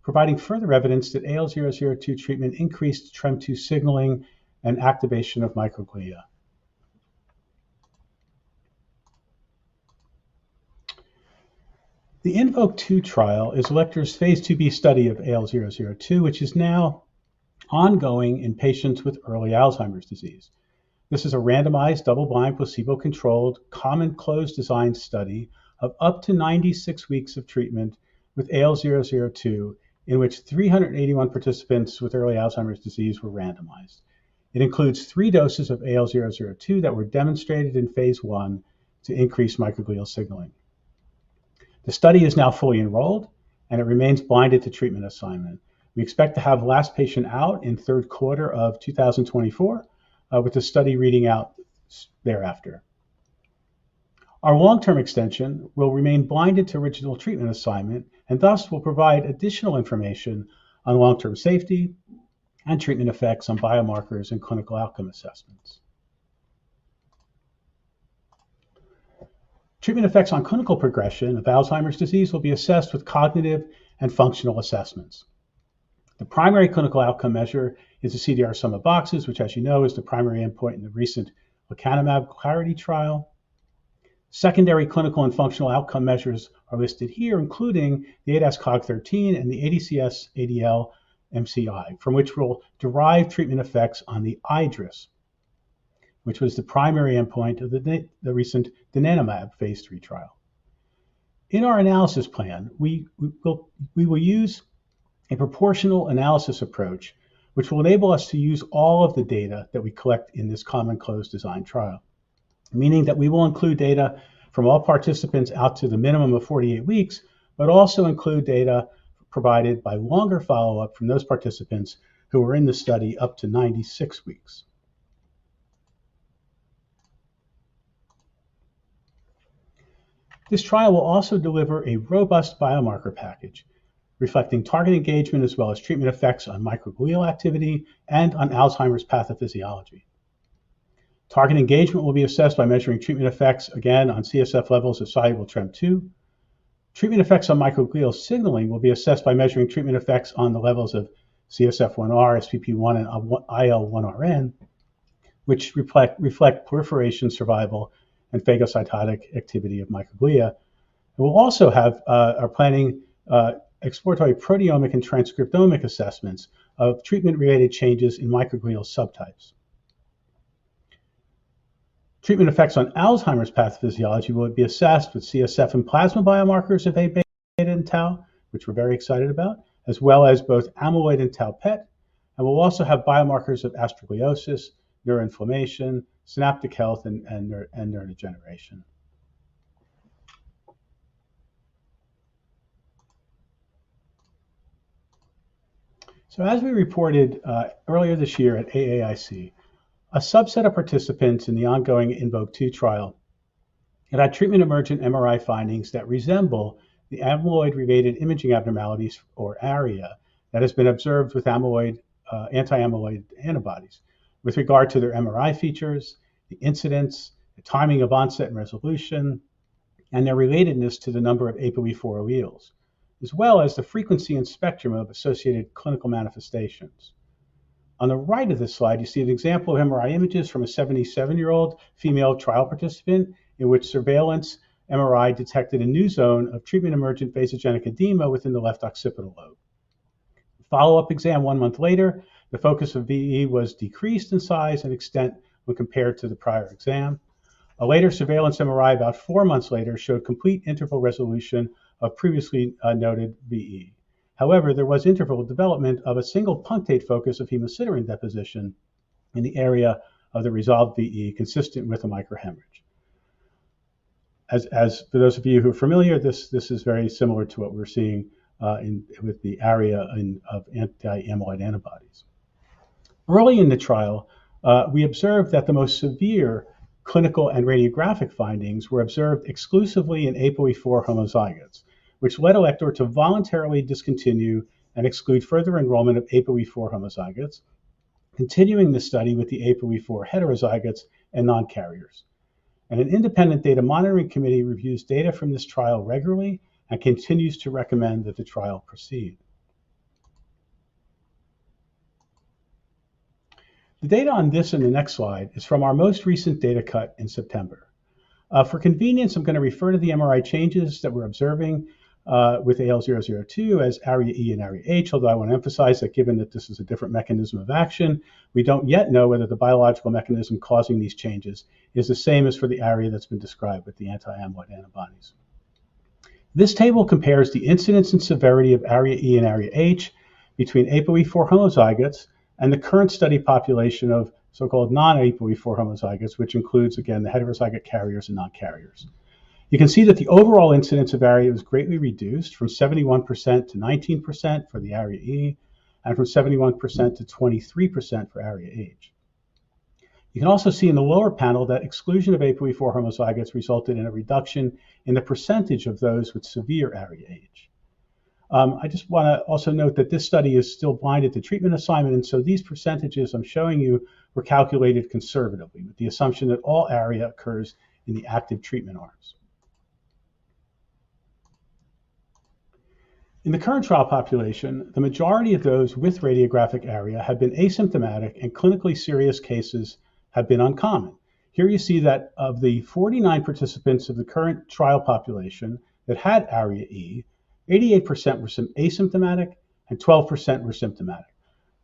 providing further evidence that AL002 treatment increased TREM2 signaling and activation of microglia. The INVOKE-2 trial is Alector's Phase IIb study of AL002, which is now ongoing in patients with early Alzheimer's disease. This is a randomized, double-blind, placebo-controlled, common closed design study of up to 96 weeks of treatment with AL002, in which 381 participants with early Alzheimer's disease were randomized. It includes three doses of AL002 that were demonstrated in phase I to increase microglial signaling. The study is now fully enrolled, and it remains blinded to treatment assignment. We expect to have last patient out in third quarter of 2024, with the study reading out thereafter. Our long-term extension will remain blinded to original treatment assignment, and thus will provide additional information on long-term safety and treatment effects on biomarkers and clinical outcome assessments. Treatment effects on clinical progression of Alzheimer's disease will be assessed with cognitive and functional assessments. The primary clinical outcome measure is the CDR sum of boxes, which, as you know, is the primary endpoint in the recent lecanemab Clarity trial. Secondary clinical and functional outcome measures are listed here, including the ADAS-Cog-13 and the ADCS-ADL-MCI, from which we'll derive treatment effects on the iDRS, which was the primary endpoint of the recent donanemab phase III trial. In our analysis plan, we will use a proportional analysis approach, which will enable us to use all of the data that we collect in this common closed design trial. Meaning that we will include data from all participants out to the minimum of 48 weeks, but also include data provided by longer follow-up from those participants who were in the study up to 96 weeks. This trial will also deliver a robust biomarker package, reflecting target engagement, as well as treatment effects on microglial activity and on Alzheimer's pathophysiology. Target engagement will be assessed by measuring treatment effects, again, on CSF levels of soluble TREM2. Treatment effects on microglial signaling will be assessed by measuring treatment effects on the levels of CSF1R, SPP1, and IL-1RN, which reflect proliferation, survival, and phagocytic activity of microglia. We are planning exploratory proteomic and transcriptomic assessments of treatment-related changes in microglial subtypes. Treatment effects on Alzheimer's pathophysiology will be assessed with CSF and plasma biomarkers of Aβ and tau, which we're very excited about, as well as both amyloid and tau PET, and we'll also have biomarkers of astrogliosis, neuroinflammation, synaptic health, and neurodegeneration. As we reported earlier this year at AAIC, a subset of participants in the ongoing INVOKE 2 trial had had treatment-emergent MRI findings that resemble the amyloid-related imaging abnormalities or ARIA that has been observed with amyloid anti-amyloid antibodies, with regard to their MRI features, the incidence, the timing of onset and resolution, and their relatedness to the number of APOE4 alleles, as well as the frequency and spectrum of associated clinical manifestations. On the right of this slide, you see an example of MRI images from a 77-year-old female trial participant, in which surveillance MRI detected a new zone of treatment-emergent vasogenic edema within the left occipital lobe. Follow-up exam one month later, the focus of VE was decreased in size and extent when compared to the prior exam. A later surveillance MRI, about four months later, showed complete interval resolution of previously noted VE. However, there was interval development of a single punctate focus of hemosiderin deposition in the area of the resolved VE, consistent with a microhemorrhage. As for those of you who are familiar, this is very similar to what we're seeing in with the ARIA of anti-amyloid antibodies. Early in the trial, we observed that the most severe clinical and radiographic findings were observed exclusively in APOE4 homozygotes, which led Alector to voluntarily discontinue and exclude further enrollment of APOE4 homozygotes, continuing the study with the APOE4 heterozygotes and non-carriers. And an independent data monitoring committee reviews data from this trial regularly and continues to recommend that the trial proceed. The data on this and the next slide is from our most recent data cut in September. For convenience, I'm gonna refer to the MRI changes that we're observing with AL002 as ARIA-E and ARIA-H. Although I want to emphasize that given that this is a different mechanism of action, we don't yet know whether the biological mechanism causing these changes is the same as for the ARIA that's been described with the anti-amyloid antibodies. This table compares the incidence and severity of ARIA-E and ARIA-H between APOE4 homozygotes and the current study population of so-called non-APOE4 homozygotes, which includes, again, the heterozygote carriers and non-carriers. You can see that the overall incidence of ARIA was greatly reduced from 71% to 19% for the ARIA-E, and from 71% to 23% for ARIA-H. You can also see in the lower panel that exclusion of APOE4 homozygotes resulted in a reduction in the percentage of those with severe ARIA-H. I just wanna also note that this study is still blinded to treatment assignment, and so these percentages I'm showing you were calculated conservatively, with the assumption that all ARIA occurs in the active treatment arms. In the current trial population, the majority of those with radiographic ARIA have been asymptomatic and clinically serious cases have been uncommon. Here you see that of the 49 participants of the current trial population that had ARIA-E, 88% were asymptomatic and 12% were symptomatic.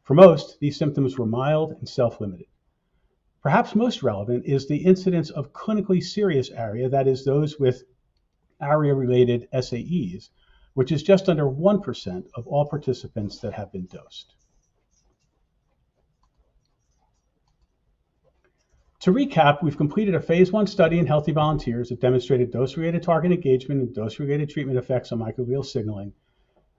For most, these symptoms were mild and self-limited. Perhaps most relevant is the incidence of clinically serious ARIA, that is, those with ARIA-related SAEs, which is just under 1% of all participants that have been dosed. To recap, we've completed a phase I study in healthy volunteers that demonstrated dose-related target engagement and dose-related treatment effects on microglial signaling.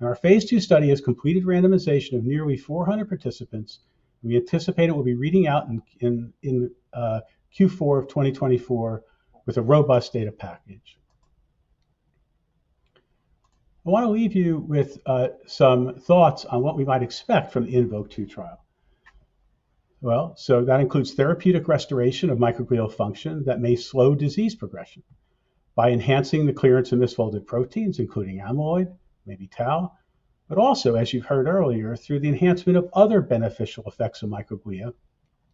Our phase II study has completed randomization of nearly 400 participants, and we anticipate it will be reading out in Q4 of 2024 with a robust data package. I wanna leave you with some thoughts on what we might expect from the INVOKE-2 trial. Well, so that includes therapeutic restoration of microglial function that may slow disease progression by enhancing the clearance of misfolded proteins, including amyloid, maybe tau, but also, as you've heard earlier, through the enhancement of other beneficial effects of microglia,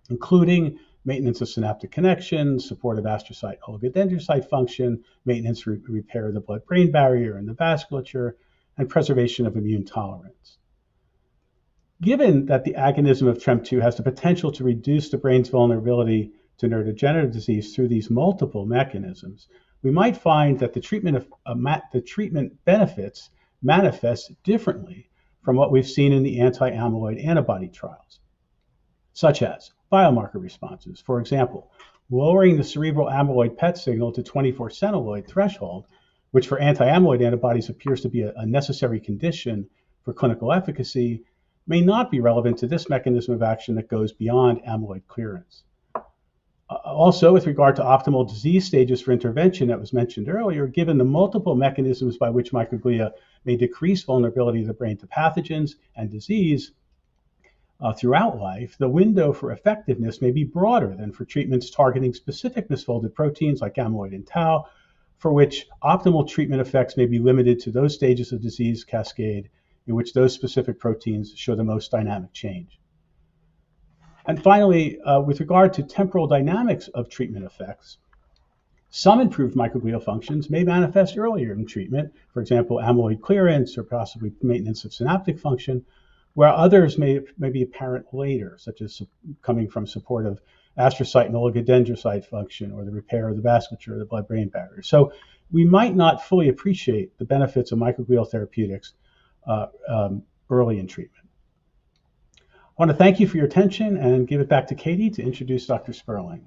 including maintenance of synaptic connections, supportive astrocyte-oligodendrocyte function, maintenance repair of the blood-brain barrier and the vasculature, and preservation of immune tolerance. Given that the agonism of TREM2 has the potential to reduce the brain's vulnerability to neurodegenerative disease through these multiple mechanisms, we might find that the treatment benefits manifest differently from what we've seen in the anti-amyloid antibody trials, such as biomarker responses. For example, lowering the cerebral amyloid PET signal to 24 centiloid threshold, which for anti-amyloid antibodies appears to be a necessary condition for clinical efficacy, may not be relevant to this mechanism of action that goes beyond amyloid clearance. Also, with regard to optimal disease stages for intervention that was mentioned earlier, given the multiple mechanisms by which microglia may decrease vulnerability of the brain to pathogens and disease, throughout life, the window for effectiveness may be broader than for treatments targeting specific misfolded proteins like amyloid and tau, for which optimal treatment effects may be limited to those stages of disease cascade in which those specific proteins show the most dynamic change. And finally, with regard to temporal dynamics of treatment effects, some improved microglial functions may manifest earlier in treatment, for example, amyloid clearance or possibly maintenance of synaptic function, where others may be apparent later, such as coming from supportive astrocyte and oligodendrocyte function or the repair of the vasculature of the blood-brain barrier. So we might not fully appreciate the benefits of microglial therapeutics, early in treatment. I wanna thank you for your attention and give it back to Katie to introduce Dr. Sperling.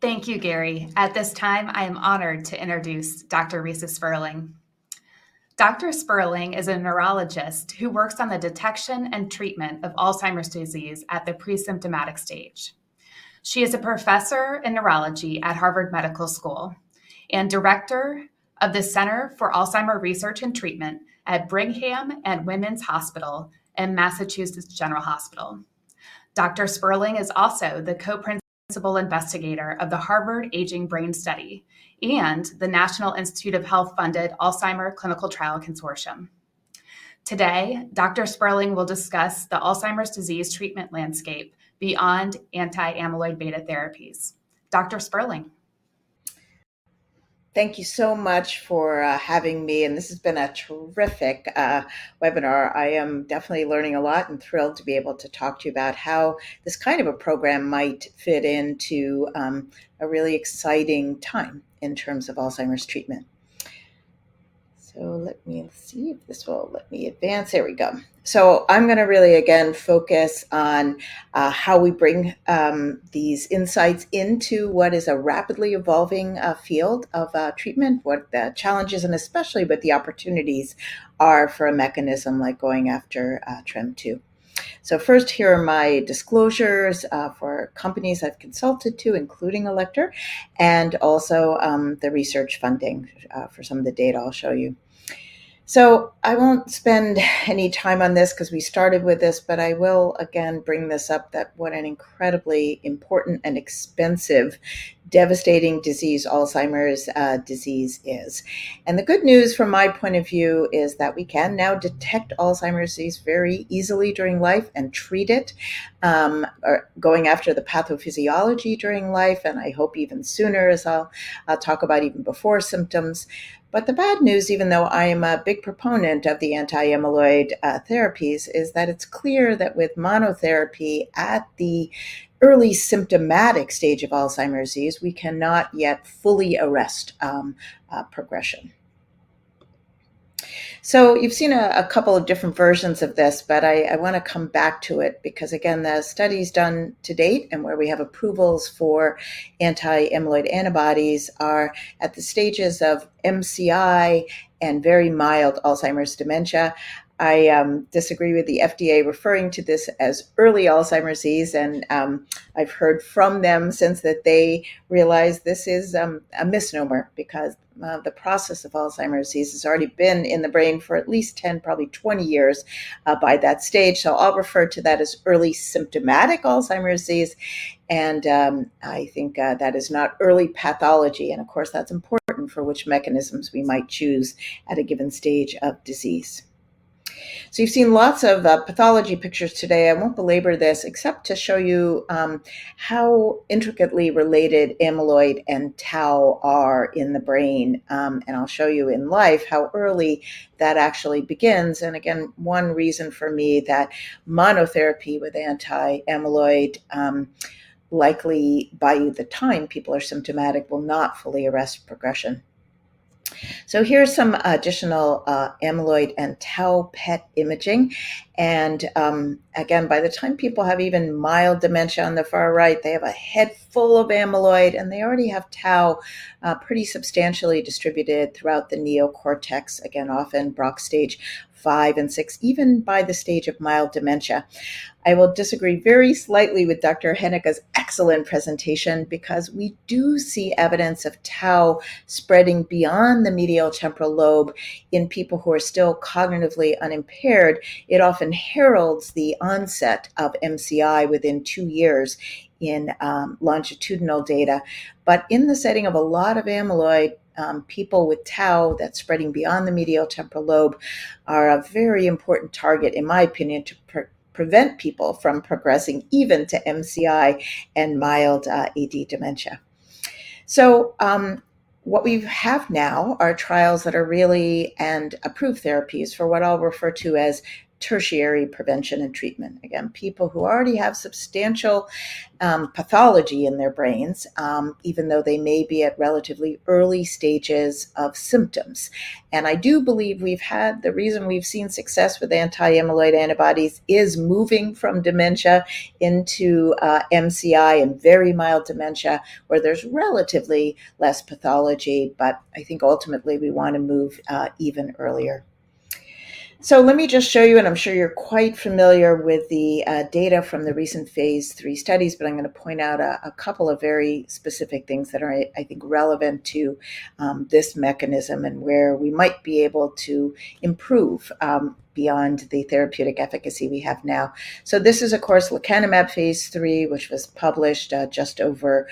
Thank you, Gary. At this time, I am honored to introduce Dr. Reisa Sperling. Dr. Sperling is a neurologist who works on the detection and treatment of Alzheimer's disease at the presymptomatic stage. She is a professor in neurology at Harvard Medical School and director of the Center for Alzheimer Research and Treatment at Brigham and Women's Hospital and Massachusetts General Hospital. Dr. Sperling is also the co-principal investigator of the Harvard Aging Brain Study and the National Institutes of Health-funded Alzheimer Clinical Trial Consortium. Today, Dr. Sperling will discuss the Alzheimer's disease treatment landscape beyond anti-amyloid beta therapies. Dr. Sperling. Thank you so much for having me, and this has been a terrific webinar. I am definitely learning a lot and thrilled to be able to talk to you about how this kind of a program might fit into a really exciting time in terms of Alzheimer's treatment. Let me see if this will let me advance. There we go. I'm gonna really, again, focus on how we bring these insights into what is a rapidly evolving field of treatment, what the challenges and especially what the opportunities are for a mechanism like going after TREM2. First, here are my disclosures for companies I've consulted to, including Alector, and also the research funding for some of the data I'll show you. So I won't spend any time on this 'cause we started with this, but I will again bring this up, that what an incredibly important and expensive, devastating disease Alzheimer's disease is. And the good news from my point of view is that we can now detect Alzheimer's disease very easily during life and treat it, or going after the pathophysiology during life, and I hope even sooner as I'll talk about even before symptoms. But the bad news, even though I am a big proponent of the anti-amyloid therapies, is that it's clear that with monotherapy at the early symptomatic stage of Alzheimer's disease, we cannot yet fully arrest progression. So you've seen a couple of different versions of this, but I wanna come back to it because, again, the studies done to date and where we have approvals for anti-amyloid antibodies are at the stages of MCI and very mild Alzheimer's dementia. I disagree with the FDA referring to this as early Alzheimer's disease, and I've heard from them since that they realized this is a misnomer because the process of Alzheimer's disease has already been in the brain for at least 10, probably 20 years by that stage. So I'll refer to that as early symptomatic Alzheimer's disease, and I think that is not early pathology, and of course, that's important for which mechanisms we might choose at a given stage of disease. So you've seen lots of pathology pictures today. I won't belabor this, except to show you how intricately related amyloid and tau are in the brain. And I'll show you in life how early that actually begins, and again, one reason for me that monotherapy with anti-amyloid likely by the time people are symptomatic, will not fully arrest progression. So here's some additional amyloid and tau PET imaging. And again, by the time people have even mild dementia on the far right, they have a head full of amyloid, and they already have tau pretty substantially distributed throughout the neocortex. Again, often Braak stage five and six, even by the stage of mild dementia. I will disagree very slightly with Dr. Heneka's excellent presentation because we do see evidence of tau spreading beyond the medial temporal lobe in people who are still cognitively unimpaired. It often heralds the onset of MCI within 2 years in longitudinal data. But in the setting of a lot of amyloid, people with tau that's spreading beyond the medial temporal lobe are a very important target, in my opinion, to prevent people from progressing even to MCI and mild AD dementia. So, what we have now are trials that are really and approved therapies for what I'll refer to as tertiary prevention and treatment. Again, people who already have substantial pathology in their brains, even though they may be at relatively early stages of symptoms. And I do believe the reason we've seen success with anti-amyloid antibodies is moving from dementia into MCI and very mild dementia, where there's relatively less pathology, but I think ultimately we wanna move even earlier. So let me just show you, and I'm sure you're quite familiar with the data from the recent phase III studies, but I'm gonna point out a couple of very specific things that are, I think, relevant to this mechanism and where we might be able to improve beyond the therapeutic efficacy we have now. So this is, of course, lecanemab phase III, which was published just over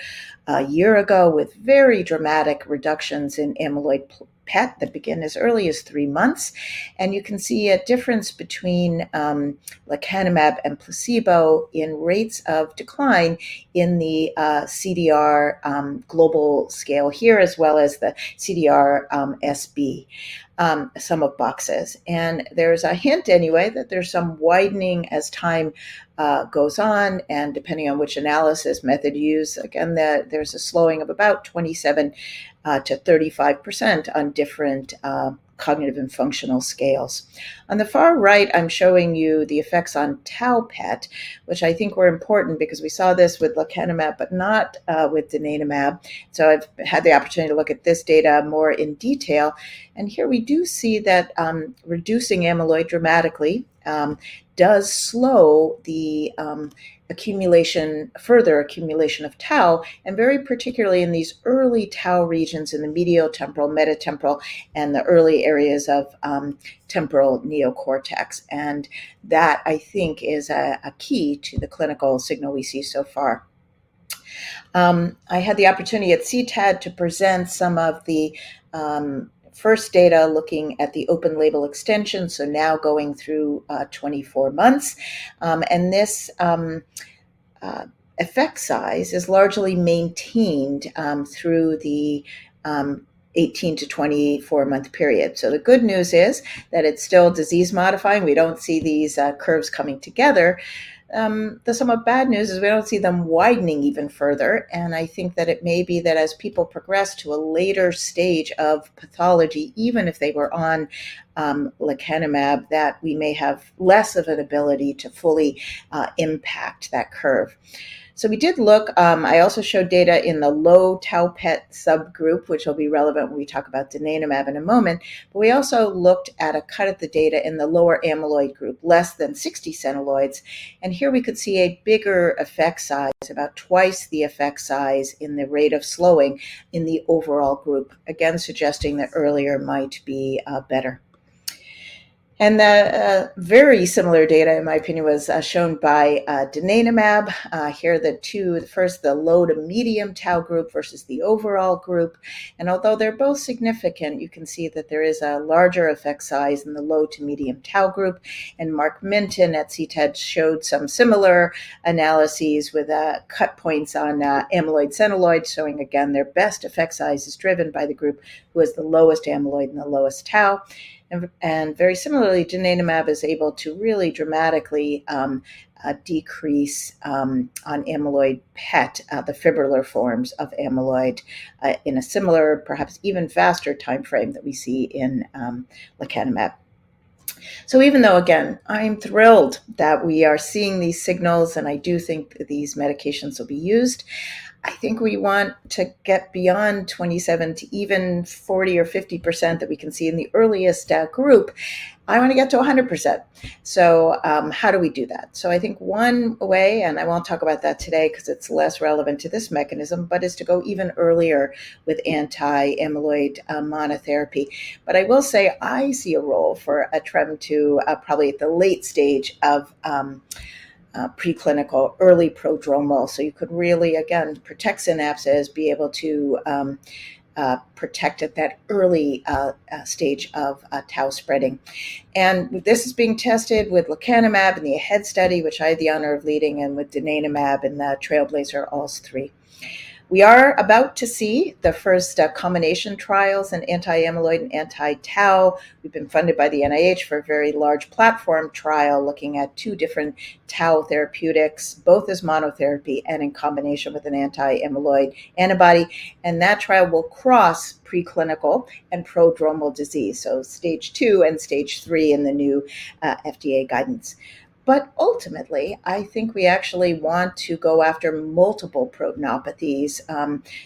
a year ago with very dramatic reductions in amyloid PET that begin as early as 3 months. And you can see a difference between lecanemab and placebo in rates of decline in the CDR global scale here, as well as the CDR-SB sum of boxes. And there's a hint anyway, that there's some widening as time goes on, and depending on which analysis method you use. Again, that there's a slowing of about 27%-35% on different cognitive and functional scales. On the far right, I'm showing you the effects on tau PET, which I think were important because we saw this with lecanemab, but not with donanemab. So I've had the opportunity to look at this data more in detail. And here we do see that reducing amyloid dramatically does slow the accumulation, further accumulation of tau, and very particularly in these early tau regions in the medial temporal, mesial temporal, and the early areas of temporal neocortex. And that, I think, is a key to the clinical signal we see so far. I had the opportunity at CTAD to present some of the first data looking at the open label extension, so now going through 24 months. And this effect size is largely maintained through the 18-24-month period. So the good news is that it's still disease-modifying. We don't see these curves coming together. The somewhat bad news is we don't see them widening even further, and I think that it may be that as people progress to a later stage of pathology, even if they were on lecanemab, that we may have less of an ability to fully impact that curve. So we did look. I also showed data in the low tau PET subgroup, which will be relevant when we talk about donanemab in a moment. But we also looked at a cut of the data in the lower amyloid group, less than 60 centiloids, and here we could see a bigger effect size, about twice the effect size in the rate of slowing in the overall group. Again, suggesting that earlier might be better. And the very similar data, in my opinion, was shown by donanemab. Here, the two, first, the low to medium tau group versus the overall group. And although they're both significant, you can see that there is a larger effect size in the low to medium tau group. And Mark Mintun at CTAD showed some similar analyses with cut points on amyloid centiloids, showing again, their best effect size is driven by the group who has the lowest amyloid and the lowest tau. Very similarly, donanemab is able to really dramatically decrease on amyloid PET the fibrillar forms of amyloid in a similar, perhaps even faster timeframe than we see in lecanemab. So even though, again, I'm thrilled that we are seeing these signals, and I do think that these medications will be used, I think we want to get beyond 27% to even 40% or 50% that we can see in the earliest group. I wanna get to 100%. So, how do we do that? So I think one way, and I won't talk about that today because it's less relevant to this mechanism, but is to go even earlier with anti-amyloid monotherapy. But I will say I see a role for a TREM2, probably at the late stage of preclinical, early prodromal. So you could really, again, protect synapses, be able to, protect at that early, stage of, tau spreading. And this is being tested with lecanemab in the AHEAD study, which I had the honor of leading, and with donanemab in the TRAILBLAZER-ALZ 3. We are about to see the first combination trials in anti-amyloid and anti-tau. We've been funded by the NIH for a very large platform trial, looking at two different tau therapeutics, both as monotherapy and in combination with an anti-amyloid antibody, and that trial will cross preclinical and prodromal disease, so stage two and stage three in the new, FDA guidance. But ultimately, I think we actually want to go after multiple proteinopathies,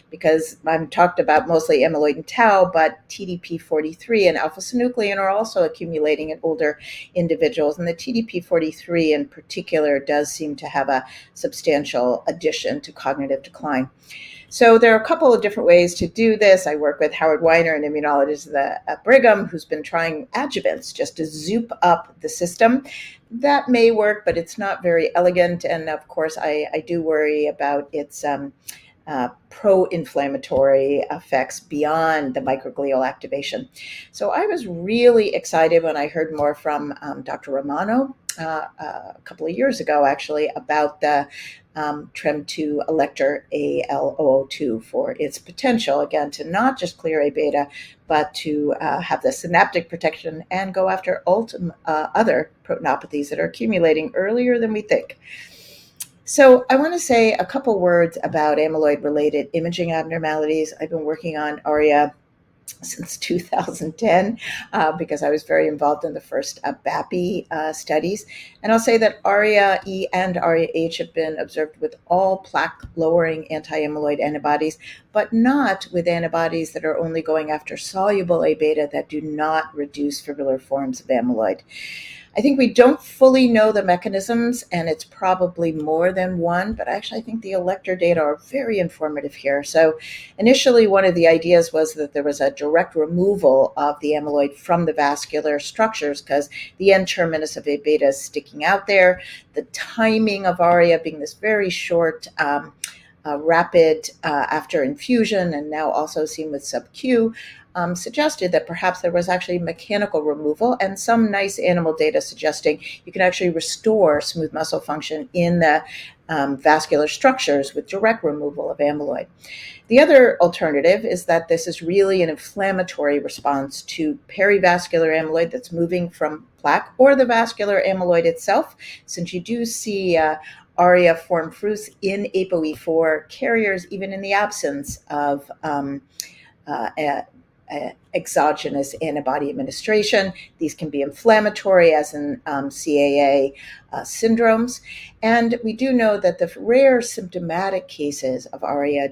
because I've talked about mostly amyloid and tau, but TDP-43 and α-synuclein are also accumulating in older individuals. The TDP-43, in particular, does seem to have a substantial addition to cognitive decline. So there are a couple of different ways to do this. I work with Howard Weiner, an immunologist at Brigham, who's been trying adjuvants just to soup up the system. That may work, but it's not very elegant, and of course, I do worry about its pro-inflammatory effects beyond the microglial activation. So I was really excited when I heard more from Dr. Romano a couple of years ago, actually, about the TREM2 Alector AL002 for its potential, again, to not just clear A-beta, but to have the synaptic protection and go after ultimately other proteinopathies that are accumulating earlier than we think. So I wanna say a couple words about amyloid-related imaging abnormalities. I've been working on ARIA since 2010, because I was very involved in the first BAPI studies. I'll say that ARIA-E and ARIA-H have been observed with all plaque-lowering anti-amyloid antibodies, but not with antibodies that are only going after soluble A-beta that do not reduce fibrillar forms of amyloid. I think we don't fully know the mechanisms, and it's probably more than one, but actually, I think the Elekta data are very informative here. So initially, one of the ideas was that there was a direct removal of the amyloid from the vascular structures 'cause the N-terminus of A-beta is sticking out there. The timing of ARIA being this very short, rapid, after infusion and now also seen with sub-Q, suggested that perhaps there was actually mechanical removal and some nice animal data suggesting you can actually restore smooth muscle function in the vascular structures with direct removal of amyloid. The other alternative is that this is really an inflammatory response to perivascular amyloid that's moving from plaque or the vascular amyloid itself. Since you do see ARIA forms in APOE4 carriers, even in the absence of exogenous antibody administration. These can be inflammatory, as in CAA syndromes. And we do know that the rare symptomatic cases of ARIA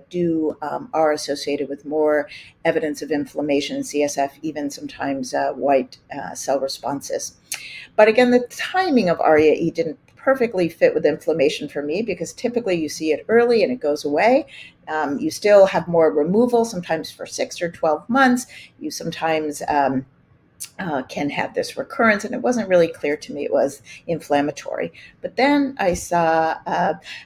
are associated with more evidence of inflammation in CSF, even sometimes white cell responses. But again, the timing of ARIA-E didn't perfectly fit with inflammation for me because typically you see it early, and it goes away. You still have more removal, sometimes for 6 or 12 months. You sometimes can have this recurrence, and it wasn't really clear to me it was inflammatory. But then I saw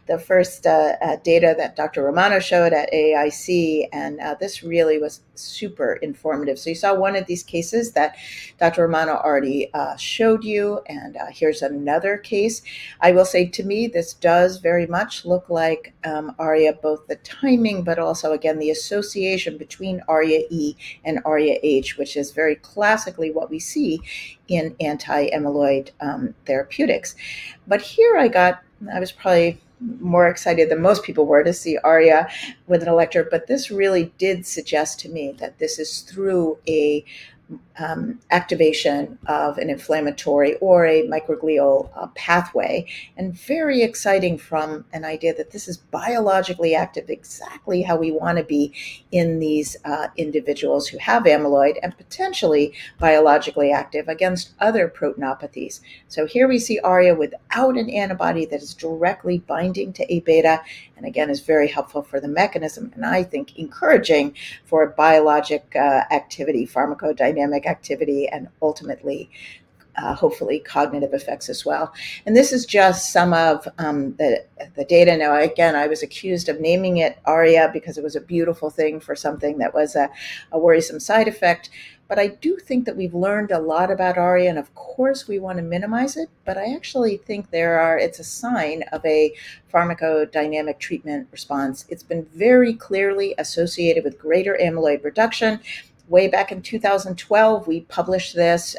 the first data that Dr. Romano showed at AIC, and this really was super informative. So you saw one of these cases that Dr. Romano already showed you, and here's another case. I will say, to me, this does very much look like ARIA, both the timing, but also, again, the association between ARIA-E and ARIA-H, which is very classically what we see in anti-amyloid therapeutics. But here I was probably more excited than most people were to see ARIA with an Elekta, but this really did suggest to me that this is through a activation of an inflammatory or a microglial pathway, and very exciting from an idea that this is biologically active, exactly how we wanna be in these individuals who have amyloid and potentially biologically active against other proteinopathies. So here we see ARIA without an antibody that is directly binding to A-beta, and again, is very helpful for the mechanism, and I think encouraging for biologic activity, pharmacodynamic activity, and ultimately, hopefully, cognitive effects as well. And this is just some of the data. Now, again, I was accused of naming it ARIA because it was a beautiful thing for something that was a worrisome side effect. But I do think that we've learned a lot about ARIA, and of course, we wanna minimize it, but I actually think there are. It's a sign of a pharmacodynamic treatment response. It's been very clearly associated with greater amyloid reduction. Way back in 2012, we published this,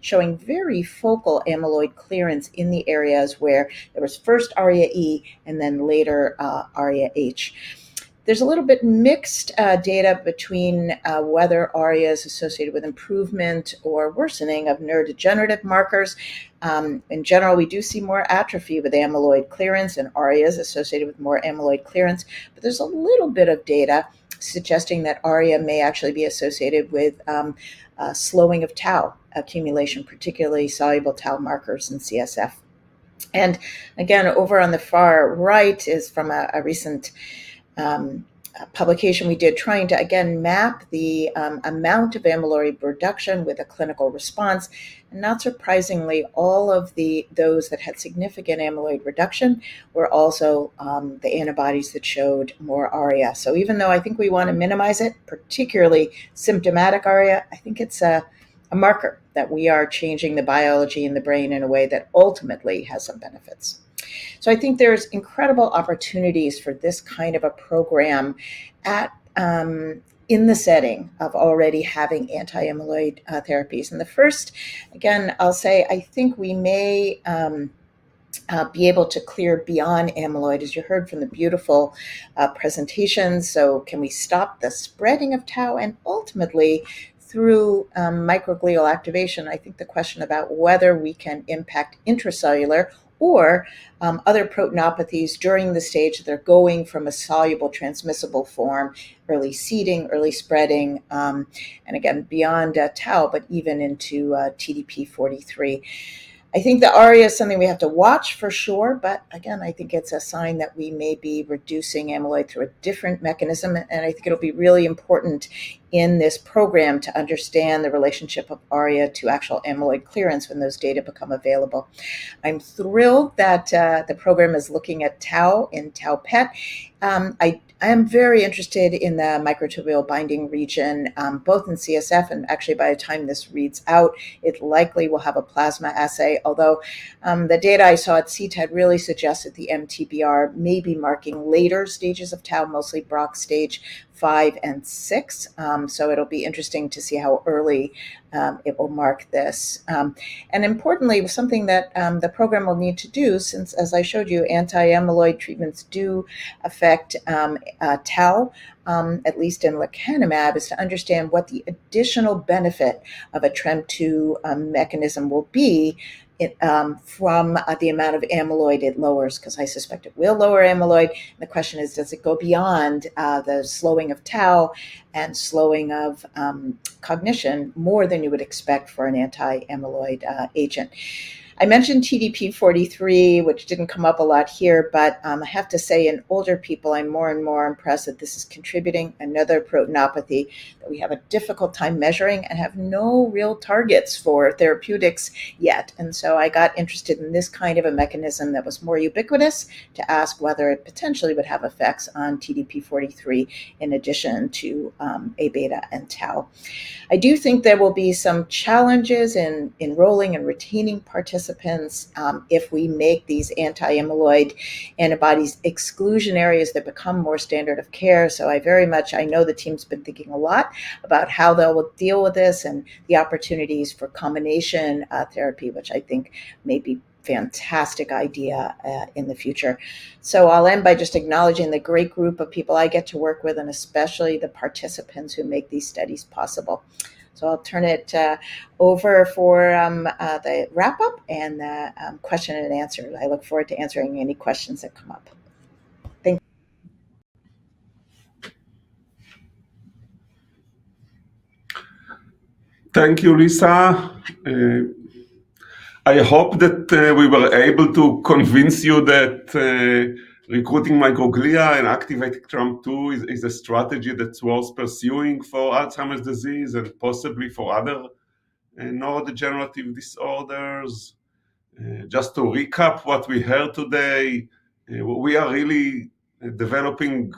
showing very focal amyloid clearance in the areas where there was first ARIA-E and then later, ARIA-H. There's a little bit mixed data between whether ARIA is associated with improvement or worsening of neurodegenerative markers. In general, we do see more atrophy with amyloid clearance, and ARIA is associated with more amyloid clearance, but there's a little bit of data suggesting that ARIA may actually be associated with slowing of tau accumulation, particularly soluble tau markers in CSF. Again, over on the far right is from a recent publication we did, trying to again map the amount of amyloid reduction with a clinical response. Not surprisingly, all of those that had significant amyloid reduction were also the antibodies that showed more ARIA. So even though I think we wanna minimize it, particularly symptomatic ARIA, I think it's a marker that we are changing the biology in the brain in a way that ultimately has some benefits. So I think there's incredible opportunities for this kind of a program in the setting of already having anti-amyloid therapies. And the first, again, I'll say I think we may be able to clear beyond amyloid, as you heard from the beautiful presentation. So can we stop the spreading of tau, and ultimately, through microglial activation, I think the question about whether we can impact intracellular or other proteinopathies during the stage they're going from a soluble, transmissible form, early seeding, early spreading, and again, beyond tau, but even into TDP-43. I think the ARIA is something we have to watch for sure, but again, I think it's a sign that we may be reducing amyloid through a different mechanism, and I think it'll be really important in this program to understand the relationship of ARIA to actual amyloid clearance when those data become available. I'm thrilled that the program is looking at tau in tau PET. I am very interested in the microtubule binding region, both in CSF and actually by the time this reads out, it likely will have a plasma assay. Although the data I saw at CTAD really suggests that the MTBR may be marking later stages of tau, mostly Braak stage 5 and 6. So it'll be interesting to see how early it will mark this. And importantly, something that the program will need to do, since, as I showed you, anti-amyloid treatments do affect tau, at least in lecanemab, is to understand what the additional benefit of a TREM2 mechanism will be, it from the amount of amyloid it lowers, because I suspect it will lower amyloid. The question is, does it go beyond the slowing of tau and slowing of cognition more than you would expect for an anti-amyloid agent? I mentioned TDP-43, which didn't come up a lot here, but I have to say, in older people, I'm more and more impressed that this is contributing another proteinopathy, that we have a difficult time measuring and have no real targets for therapeutics yet. And so I got interested in this kind of a mechanism that was more ubiquitous to ask whether it potentially would have effects on TDP-43 in addition to Aβ and tau. I do think there will be some challenges in enrolling and retaining participants if we make these anti-amyloid antibodies exclusion areas that become more standard of care. So I very much. I know the team's been thinking a lot about how they'll deal with this and the opportunities for combination therapy, which I think may be fantastic idea in the future. So I'll end by just acknowledging the great group of people I get to work with, and especially the participants who make these studies possible. So I'll turn it over for the wrap-up and the question and answer. I look forward to answering any questions that come up. Thank- Thank you, Lisa. I hope that we were able to convince you that recruiting microglia and activating TREM2 is a strategy that's worth pursuing for Alzheimer's disease and possibly for other neurodegenerative disorders. Just to recap what we heard today, we are really developing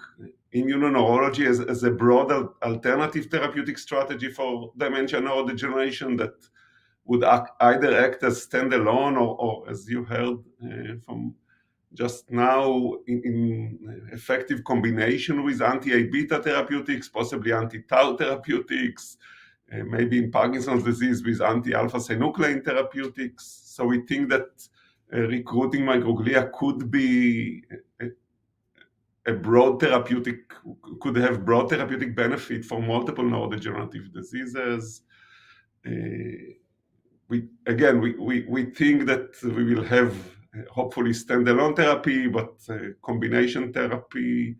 immuno-neurology as a broader alternative therapeutic strategy for dementia and neurodegeneration that would act either as standalone or, as you heard from just now, in effective combination with anti-A-beta therapeutics, possibly anti-tau therapeutics, maybe in Parkinson's disease with anti-alpha-synuclein therapeutics. So we think that recruiting microglia could be a broad therapeutic—could have broad therapeutic benefit for multiple neurodegenerative diseases. Again, we think that we will have hopefully standalone therapy, but combination therapy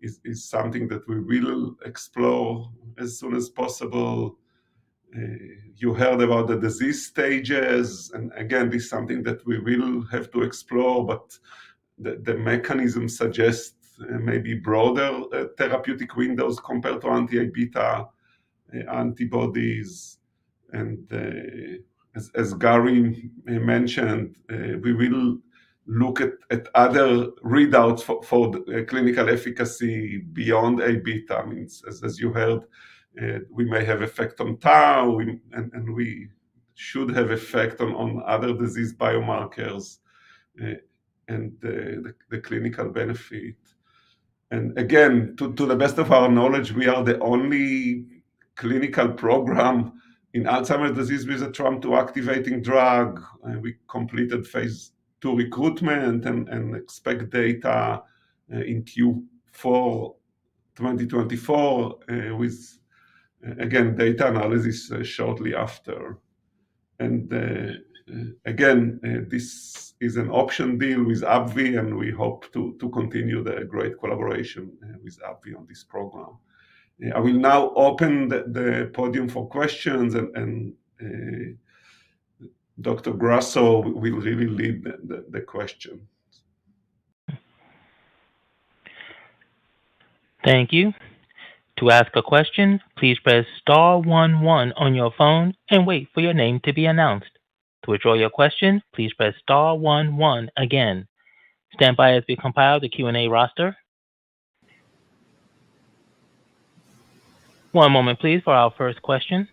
is something that we will explore as soon as possible. You heard about the disease stages, and again, this is something that we will have to explore, but the mechanism suggests maybe broader therapeutic windows compared to anti-A-beta antibodies. And, as Gary mentioned, we will look at other readouts for the clinical efficacy beyond A-beta. I mean, as you heard, we may have effect on tau, and we should have effect on other disease biomarkers, and the clinical benefit. And again, to the best of our knowledge, we are the only clinical program in Alzheimer's disease with a TREM2 activating drug. We completed phase II recruitment and expect data in Q4 2024, with again, data analysis shortly after. Again, this is an option deal with AbbVie, and we hope to continue the great collaboration with AbbVie on this program. I will now open the podium for questions, and Dr. Grasso will really lead the questions. Thank you. To ask a question, please press star 11 on your phone and wait for your name to be announced. To withdraw your question, please press star one one again. Stand by as we compile the Q&A roster. ... One moment please, for our first question.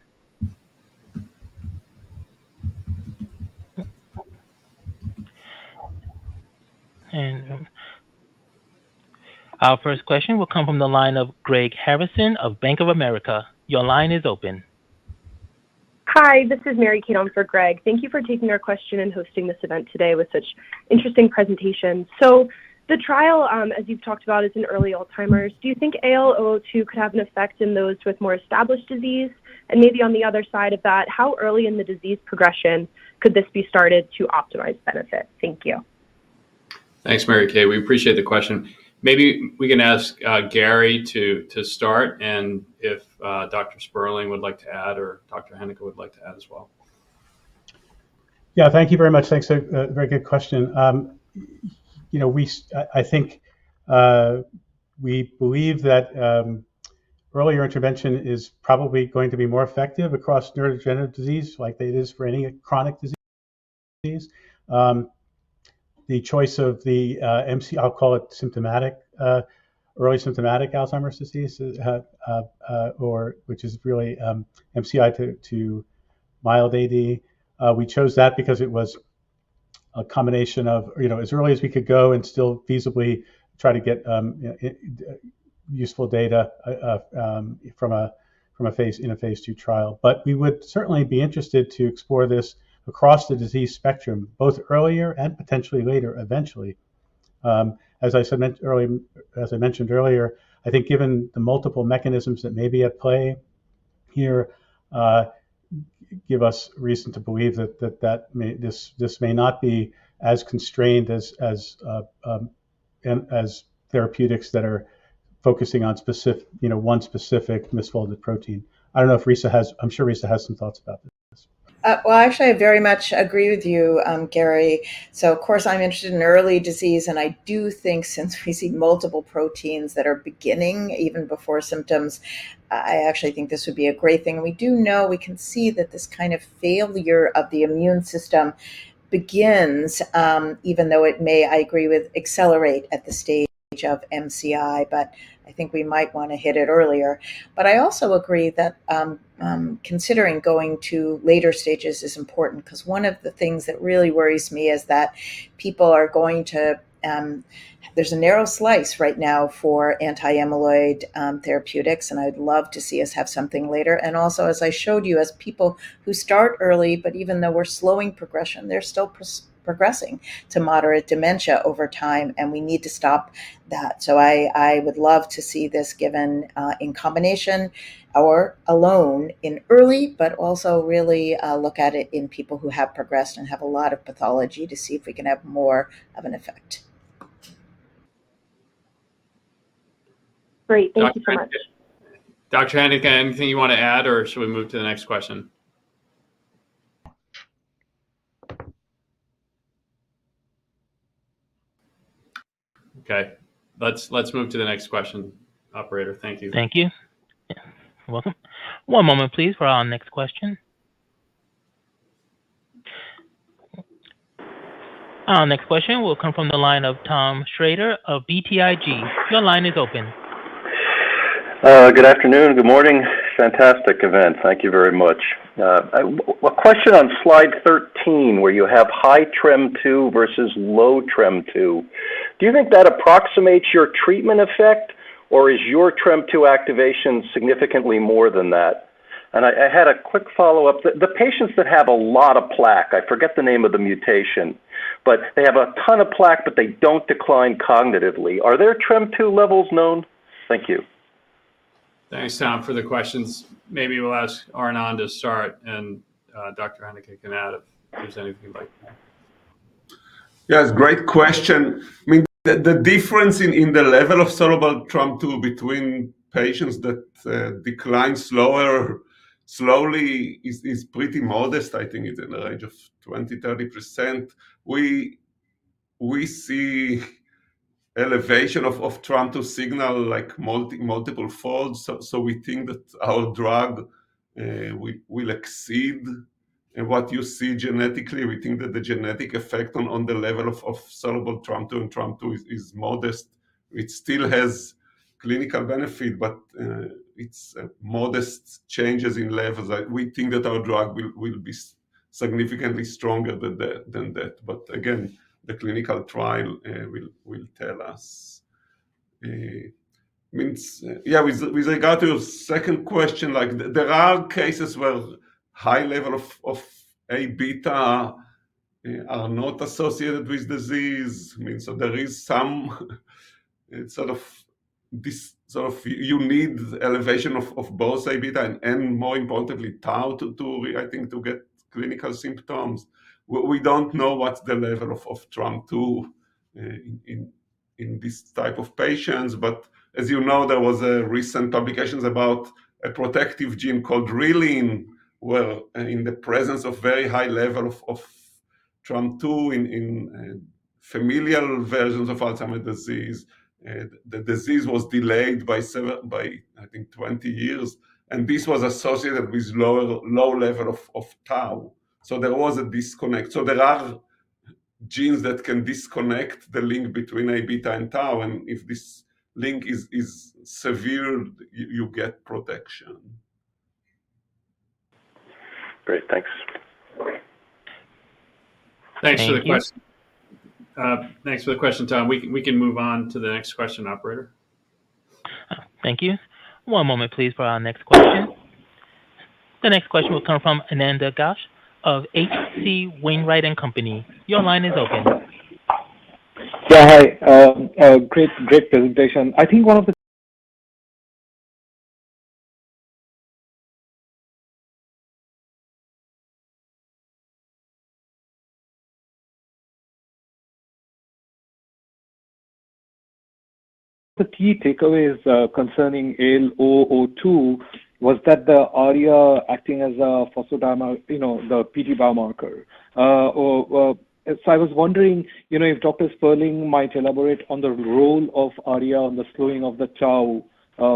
Our first question will come from the line of Greg Harrison of Bank of America. Your line is open. Hi, this is Mary Kay on for Greg. Thank you for taking our question and hosting this event today with such interesting presentations. So the trial, as you've talked about, is in early Alzheimer's. Do you think AL002 could have an effect in those with more established disease? And maybe on the other side of that, how early in the disease progression could this be started to optimize benefit? Thank you. Thanks, Mary Kay. We appreciate the question. Maybe we can ask Gary to start, and if Dr. Sperling would like to add, or Dr. Heneka would like to add as well. Yeah, thank you very much. Thanks for a very good question. You know, I think we believe that earlier intervention is probably going to be more effective across neurodegenerative disease, like it is for any chronic disease, the choice of the MCI, I'll call it symptomatic early symptomatic Alzheimer's disease, or which is really MCI to mild AD. We chose that because it was a combination of, you know, as early as we could go and still feasibly try to get useful data from a phase II trial. But we would certainly be interested to explore this across the disease spectrum, both earlier and potentially later, eventually. As I mentioned earlier, I think given the multiple mechanisms that may be at play here, give us reason to believe that this may not be as constrained as therapeutics that are focusing on specific, you know, one specific misfolded protein. I don't know if Reisa has. I'm sure Reisa has some thoughts about this. Well, actually, I very much agree with you, Gary. So of course, I'm interested in early disease, and I do think since we see multiple proteins that are beginning, even before symptoms, I actually think this would be a great thing. We do know, we can see that this kind of failure of the immune system begins, even though it may, I agree with, accelerate at the stage of MCI, but I think we might wanna hit it earlier. But I also agree that, considering going to later stages is important, 'cause one of the things that really worries me is that people are going to, there's a narrow slice right now for anti-amyloid, therapeutics, and I'd love to see us have something later. And also, as I showed you, as people who start early, but even though we're slowing progression, they're still progressing to moderate dementia over time, and we need to stop that. So I, I would love to see this given in combination or alone in early, but also really look at it in people who have progressed and have a lot of pathology to see if we can have more of an effect. Great. Thank you very much. Dr. Heneka, anything you want to add, or should we move to the next question? Okay, let's, let's move to the next question. Operator, thank you. Thank you. You're welcome. One moment, please, for our next question. Our next question will come from the line of Tom Shrader of BTIG. Your line is open. Good afternoon, good morning. Fantastic event. Thank you very much. A question on slide 13, where you have high TREM2 versus low TREM2. Do you think that approximates your treatment effect, or is your TREM2 activation significantly more than that? And I had a quick follow-up. The patients that have a lot of plaque, I forget the name of the mutation, but they have a ton of plaque, but they don't decline cognitively. Are their TREM2 levels known? Thank you. Thanks, Tom, for the questions. Maybe we'll ask Arnon to start, and Dr. Heneka can add if there's anything you'd like. Yes, great question. I mean, the difference in the level of soluble TREM2 between patients that decline slowly is pretty modest. I think it's in the range of 20%-30%. We see elevation of TREM2 signal like multiple folds, so we think that our drug will exceed. And what you see genetically, we think that the genetic effect on the level of soluble TREM2 and TREM2 is modest. It still has clinical benefit, but it's modest changes in levels. We think that our drug will be significantly stronger than that. But again, the clinical trial will tell us. Yeah, with regard to your second question, like, there are cases where high level of A-beta are not associated with disease. I mean, so there is some, sort of, this sort of you need elevation of both A-beta and, more importantly, tau to, I think, to get clinical symptoms. We don't know what's the level of TREM2 in these type of patients, but as you know, there was a recent publications about a protective gene called reelin, where in the presence of very high level of TREM2 in familial versions of Alzheimer's disease, the disease was delayed by, by I think 20 years, and this was associated with lower low level of tau. So there was a disconnect. So there are genes that can disconnect the link between A-beta and tau, and if this link is severe, you get protection. Great. Thanks. Thank you. Thanks for the question. Thanks for the question, Tom. We can, we can move on to the next question, operator. Oh, thank you. One moment, please, for our next question. The next question will come from Ananda Ghosh of H.C. Wainwright & Company. Your line is open. Yeah, hi. Great, great presentation. I think one of the key takeaways concerning AL002 was that the ARIA acting as a phospho-tau, you know, the p-tau biomarker. So I was wondering, you know, if Dr. Sperling might elaborate on the role of ARIA on the slowing of the tau,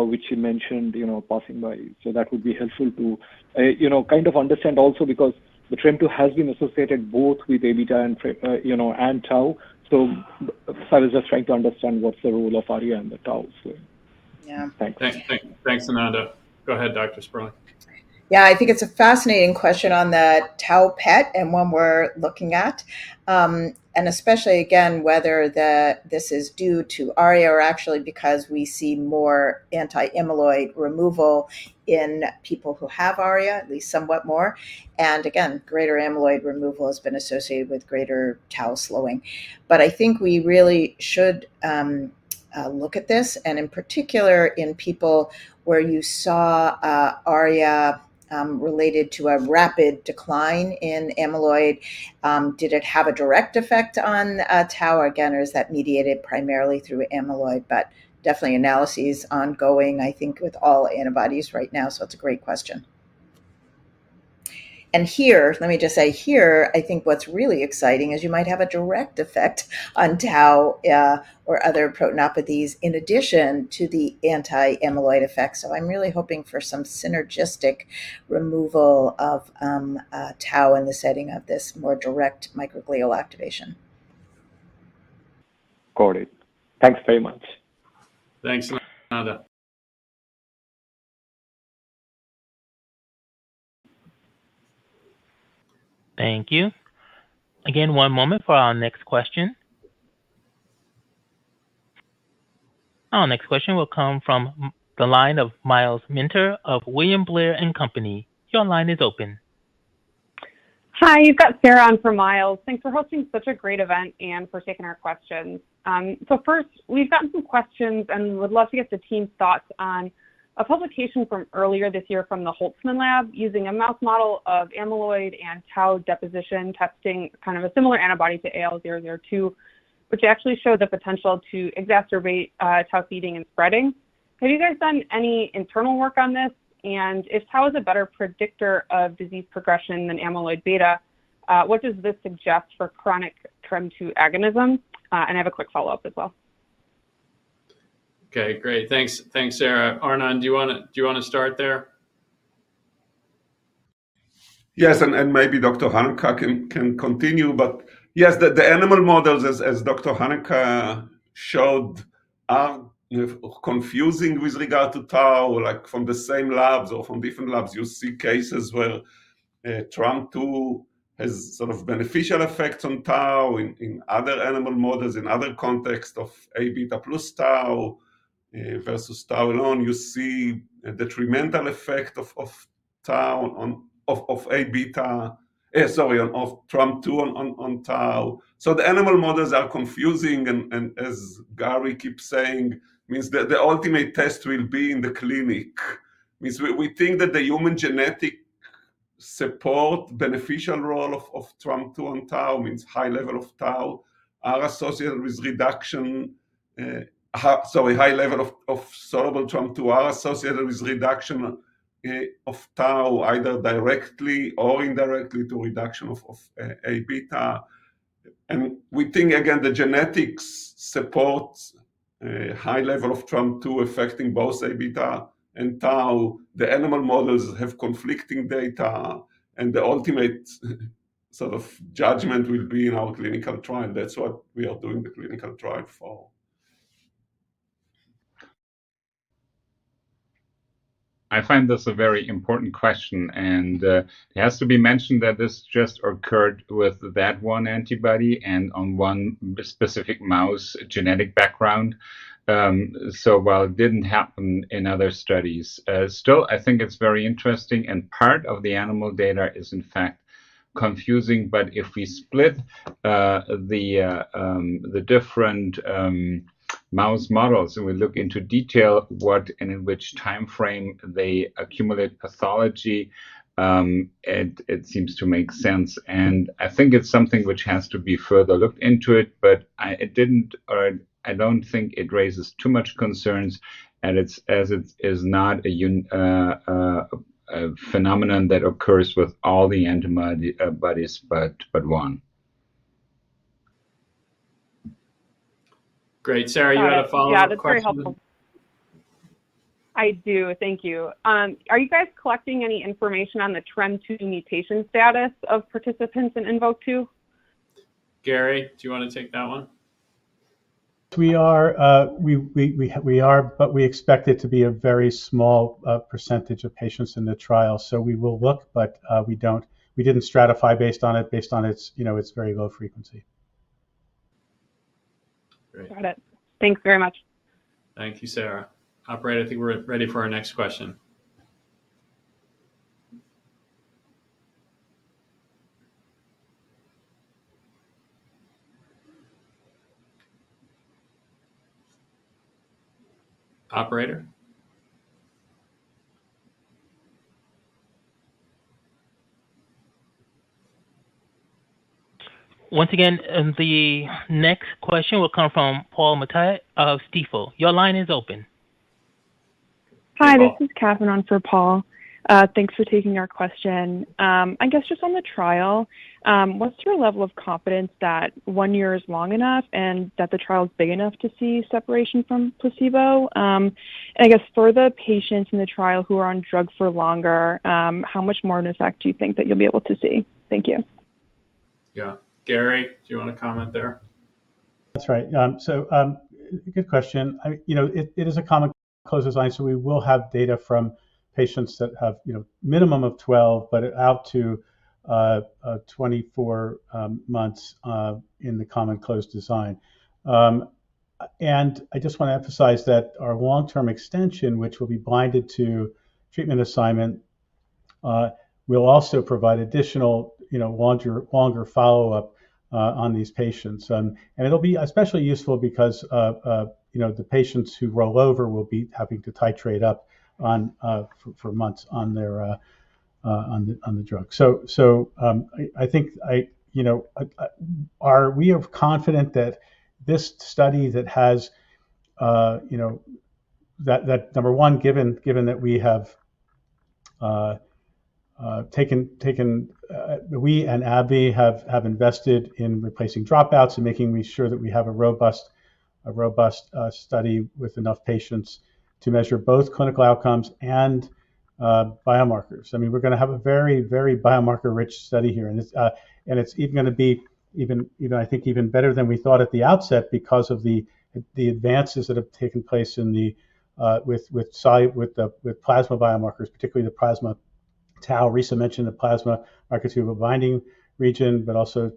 which you mentioned, you know, passing by. So that would be helpful to, you know, kind of understand also because the TREM2 has been associated both with A-beta and, you know, and tau. So I was just trying to understand what's the role of ARIA in the tau, so. Yeah. Thank you. Thanks, Ananda. Go ahead, Dr. Sperling. Yeah, I think it's a fascinating question on that tau PET and one we're looking at. And especially again, whether this is due to ARIA or actually because we see more anti-amyloid removal in people who have ARIA, at least somewhat more. And again, greater amyloid removal has been associated with greater tau slowing. But I think we really should look at this, and in particular, in people where you saw ARIA related to a rapid decline in amyloid, did it have a direct effect on tau again, or is that mediated primarily through amyloid? But definitely, analysis is ongoing, I think, with all antibodies right now, so it's a great question. And here, let me just say, here, I think what's really exciting is you might have a direct effect on tau, or other proteinopathies in addition to the anti-amyloid effect. So I'm really hoping for some synergistic removal of tau in the setting of this more direct microglial activation. Got it. Thanks very much. Thanks, Ananda. Thank you. Again, one moment for our next question. Our next question will come from the line of Myles Minter of William Blair & Company. Your line is open. Hi, you've got Sarah on for Miles. Thanks for hosting such a great event and for taking our questions. So first, we've gotten some questions and would love to get the team's thoughts on a publication from earlier this year from the Holtzman lab, using a mouse model of amyloid and tau deposition, testing kind of a similar antibody to AL002, which actually showed the potential to exacerbate tau seeding and spreading. Have you guys done any internal work on this? And if tau is a better predictor of disease progression than amyloid beta, what does this suggest for chronic TREM2 agonism? And I have a quick follow-up as well. Okay, great. Thanks. Thanks, Sara. Arnon, do you wanna, do you wanna start there? Yes, and maybe Dr. Heneka can continue. But yes, the animal models, as Dr. Heneka showed, are confusing with regard to tau, like from the same labs or from different labs. You see cases where TREM2 has sort of beneficial effects on tau in other animal models, in other contexts of A-beta plus tau versus tau alone, you see a detrimental effect of tau on A-beta. Sorry, of TREM2 on tau. So the animal models are confusing and as Gary keeps saying, the ultimate test will be in the clinic. Means we, we think that the human genetic support, beneficial role of, of TREM2 on tau, means high level of tau, are associated with reduction, high level of, of soluble TREM2 are associated with reduction, of tau, either directly or indirectly, to reduction of, of, A-beta. And we think, again, the genetics supports a high level of TREM2 affecting both A-beta and tau. The animal models have conflicting data, and the ultimate sort of judgment will be in our clinical trial, and that's what we are doing the clinical trial for. I find this a very important question, and it has to be mentioned that this just occurred with that one antibody and on one specific mouse genetic background. So while it didn't happen in other studies, still, I think it's very interesting, and part of the animal data is, in fact, confusing. But if we split the different mouse models and we look into detail what and in which timeframe they accumulate pathology, it seems to make sense. And I think it's something which has to be further looked into it, but I... It didn't, or I don't think it raises too much concerns, and it's as it is not a phenomenon that occurs with all the antibodies but one. ... Great. Sara, you had a follow-up question? Yeah, that's very helpful. I do. Thank you. Are you guys collecting any information on the TREM2 mutation status of participants in INVOKE-2? Gary, do you wanna take that one? We are, but we expect it to be a very small percentage of patients in the trial. So we will look, but we didn't stratify based on it, based on its, you know, its very low frequency. Great. Got it. Thanks very much. Thank you, Sara. Operator, I think we're ready for our next question. Operator? Once again, and the next question will come from Paul Matteis of Stifel. Your line is open. Hi, this is Katharine on for Paul. Thanks for taking our question. I guess, just on the trial, what's your level of confidence that one year is long enough and that the trial is big enough to see separation from placebo? And I guess for the patients in the trial who are on drugs for longer, how much more of an effect do you think that you'll be able to see? Thank you. Yeah. Gary, do you wanna comment there? That's right. So, good question. You know, it is a common close design, so we will have data from patients that have, you know, minimum of 12, but out to 24 months in the common closed design. And I just wanna emphasize that our long-term extension, which will be blinded to treatment assignment, will also provide additional, you know, longer follow-up on these patients. And it'll be especially useful because, you know, the patients who roll over will be having to titrate up on the drug for months. I think... You know, are we confident that this study that has, you know, that number one, given that we have taken... We and AbbVie have invested in replacing dropouts and making sure that we have a robust study with enough patients to measure both clinical outcomes and biomarkers. I mean, we're gonna have a very, very biomarker-rich study here, and it's even gonna be even, you know, I think even better than we thought at the outset because of the advances that have taken place in the with the plasma biomarkers, particularly the plasma tau. Reisa mentioned the plasma microtubule binding region, but also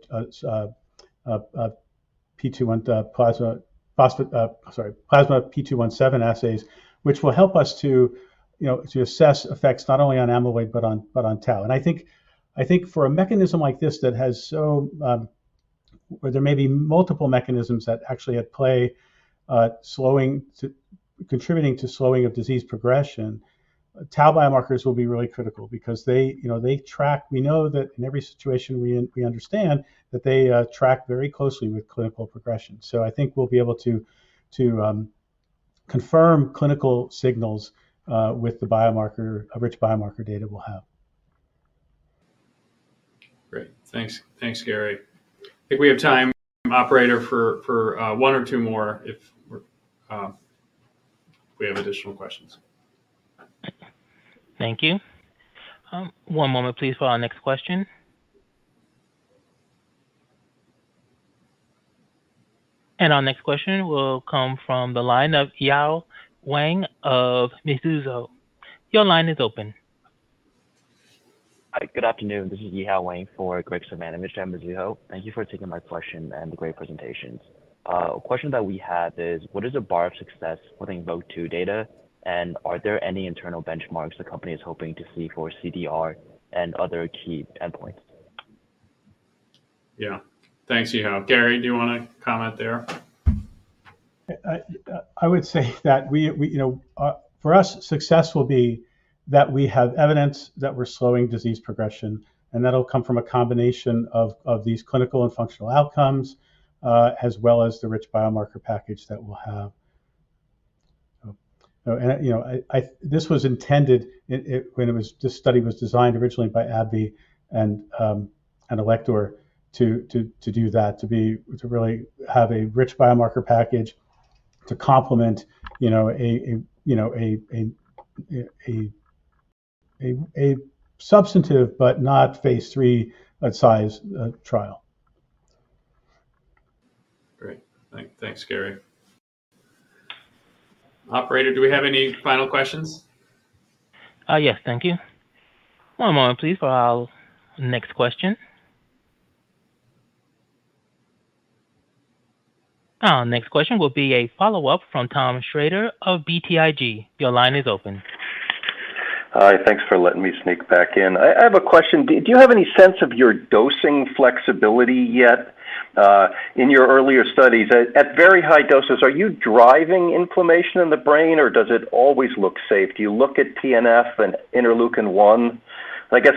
p-tau and plasma p-tau217 assays, which will help us to, you know, to assess effects not only on amyloid but on tau. And I think for a mechanism like this that has so... where there may be multiple mechanisms that actually at play, slowing to contributing to slowing of disease progression, tau biomarkers will be really critical because they, you know, they track. We know that in every situation we understand that they track very closely with clinical progression. So I think we'll be able to confirm clinical signals with the biomarker, a rich biomarker data we'll have. Great. Thanks. Thanks, Gary. I think we have time, Operator, for one or two more, if we're we have additional questions. Thank you. One moment, please, for our next question. Our next question will come from the line of Yihao Wang of Mizuho. Your line is open. Hi, good afternoon. This is Yihao Wang for Graig Suvannavejh at Mizuho. Thank you for taking my question and the great presentations. A question that we have is, what is the bar of success for the INVOKE-2 data, and are there any internal benchmarks the company is hoping to see for CDR and other key endpoints? Yeah. Thanks, Yihao. Gary, do you wanna comment there? I would say that we, you know, for us, success will be that we have evidence that we're slowing disease progression, and that'll come from a combination of these clinical and functional outcomes, as well as the rich biomarker package that we'll have. And, you know, this was intended when it was-- this study was designed originally by AbbVie and Alector to do that, to really have a rich biomarker package, to complement, you know, a substantive but not Phase III size trial. Great. Thanks, Gary. Operator, do we have any final questions? Yes, thank you. One moment, please, for our next question. Our next question will be a follow-up from Tom Shrader of BTIG. Your line is open. Hi, thanks for letting me sneak back in. I have a question. Do you have any sense of your dosing flexibility yet? In your earlier studies, at very high doses, are you driving inflammation in the brain, or does it always look safe? Do you look at TNF and interleukin one? I guess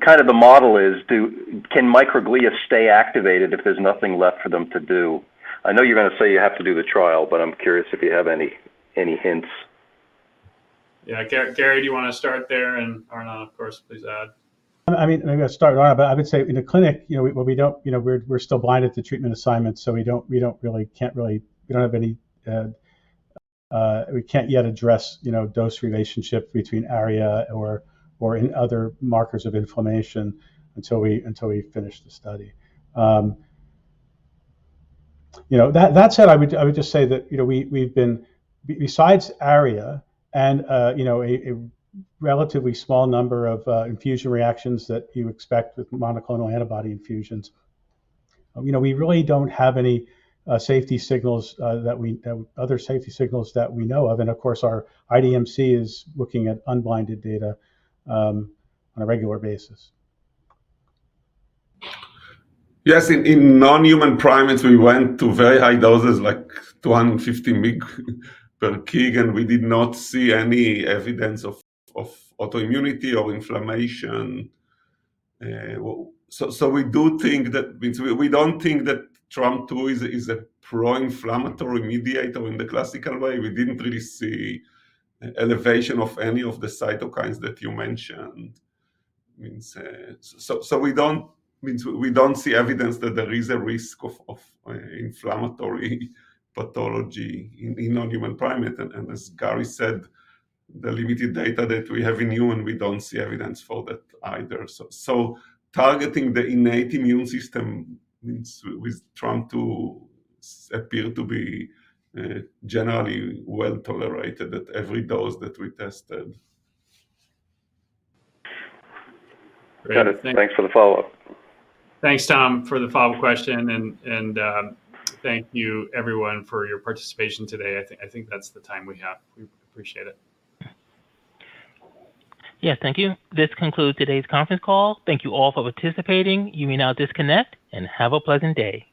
kind of the model is, can microglia stay activated if there's nothing left for them to do? I know you're gonna say you have to do the trial, but I'm curious if you have any hints.... Yeah, Gary, do you want to start there? And Arnon, of course, please add. I mean, I'm going to start, Arnon, but I would say in the clinic, you know, we don't, you know, we're still blinded to treatment assignments, so we don't really—can't really—we don't have any, we can't yet address, you know, dose relationship between ARIA or in other markers of inflammation until we finish the study. You know, that said, I would just say that, you know, we, we've been—besides ARIA and, you know, a relatively small number of infusion reactions that you expect with monoclonal antibody infusions, you know, we really don't have any safety signals, that other safety signals that we know of. And of course, our IDMC is looking at unblinded data on a regular basis. Yes, in non-human primates, we went to very high doses, like 250 mg per kg, and we did not see any evidence of autoimmunity or inflammation. So, we do think that means—we don't think that TREM2 is a pro-inflammatory mediator in the classical way. We didn't really see elevation of any of the cytokines that you mentioned. We don't see evidence that there is a risk of inflammatory pathology in non-human primates. And as Gary said, the limited data that we have in humans, we don't see evidence for that either. So, targeting the innate immune system with TREM2 appears to be generally well tolerated at every dose that we tested. Got it. Thanks for the follow-up. Thanks, Tom, for the follow-up question, and thank you everyone for your participation today. I think that's the time we have. We appreciate it. Yeah, thank you. This concludes today's conference call. Thank you all for participating. You may now disconnect, and have a pleasant day.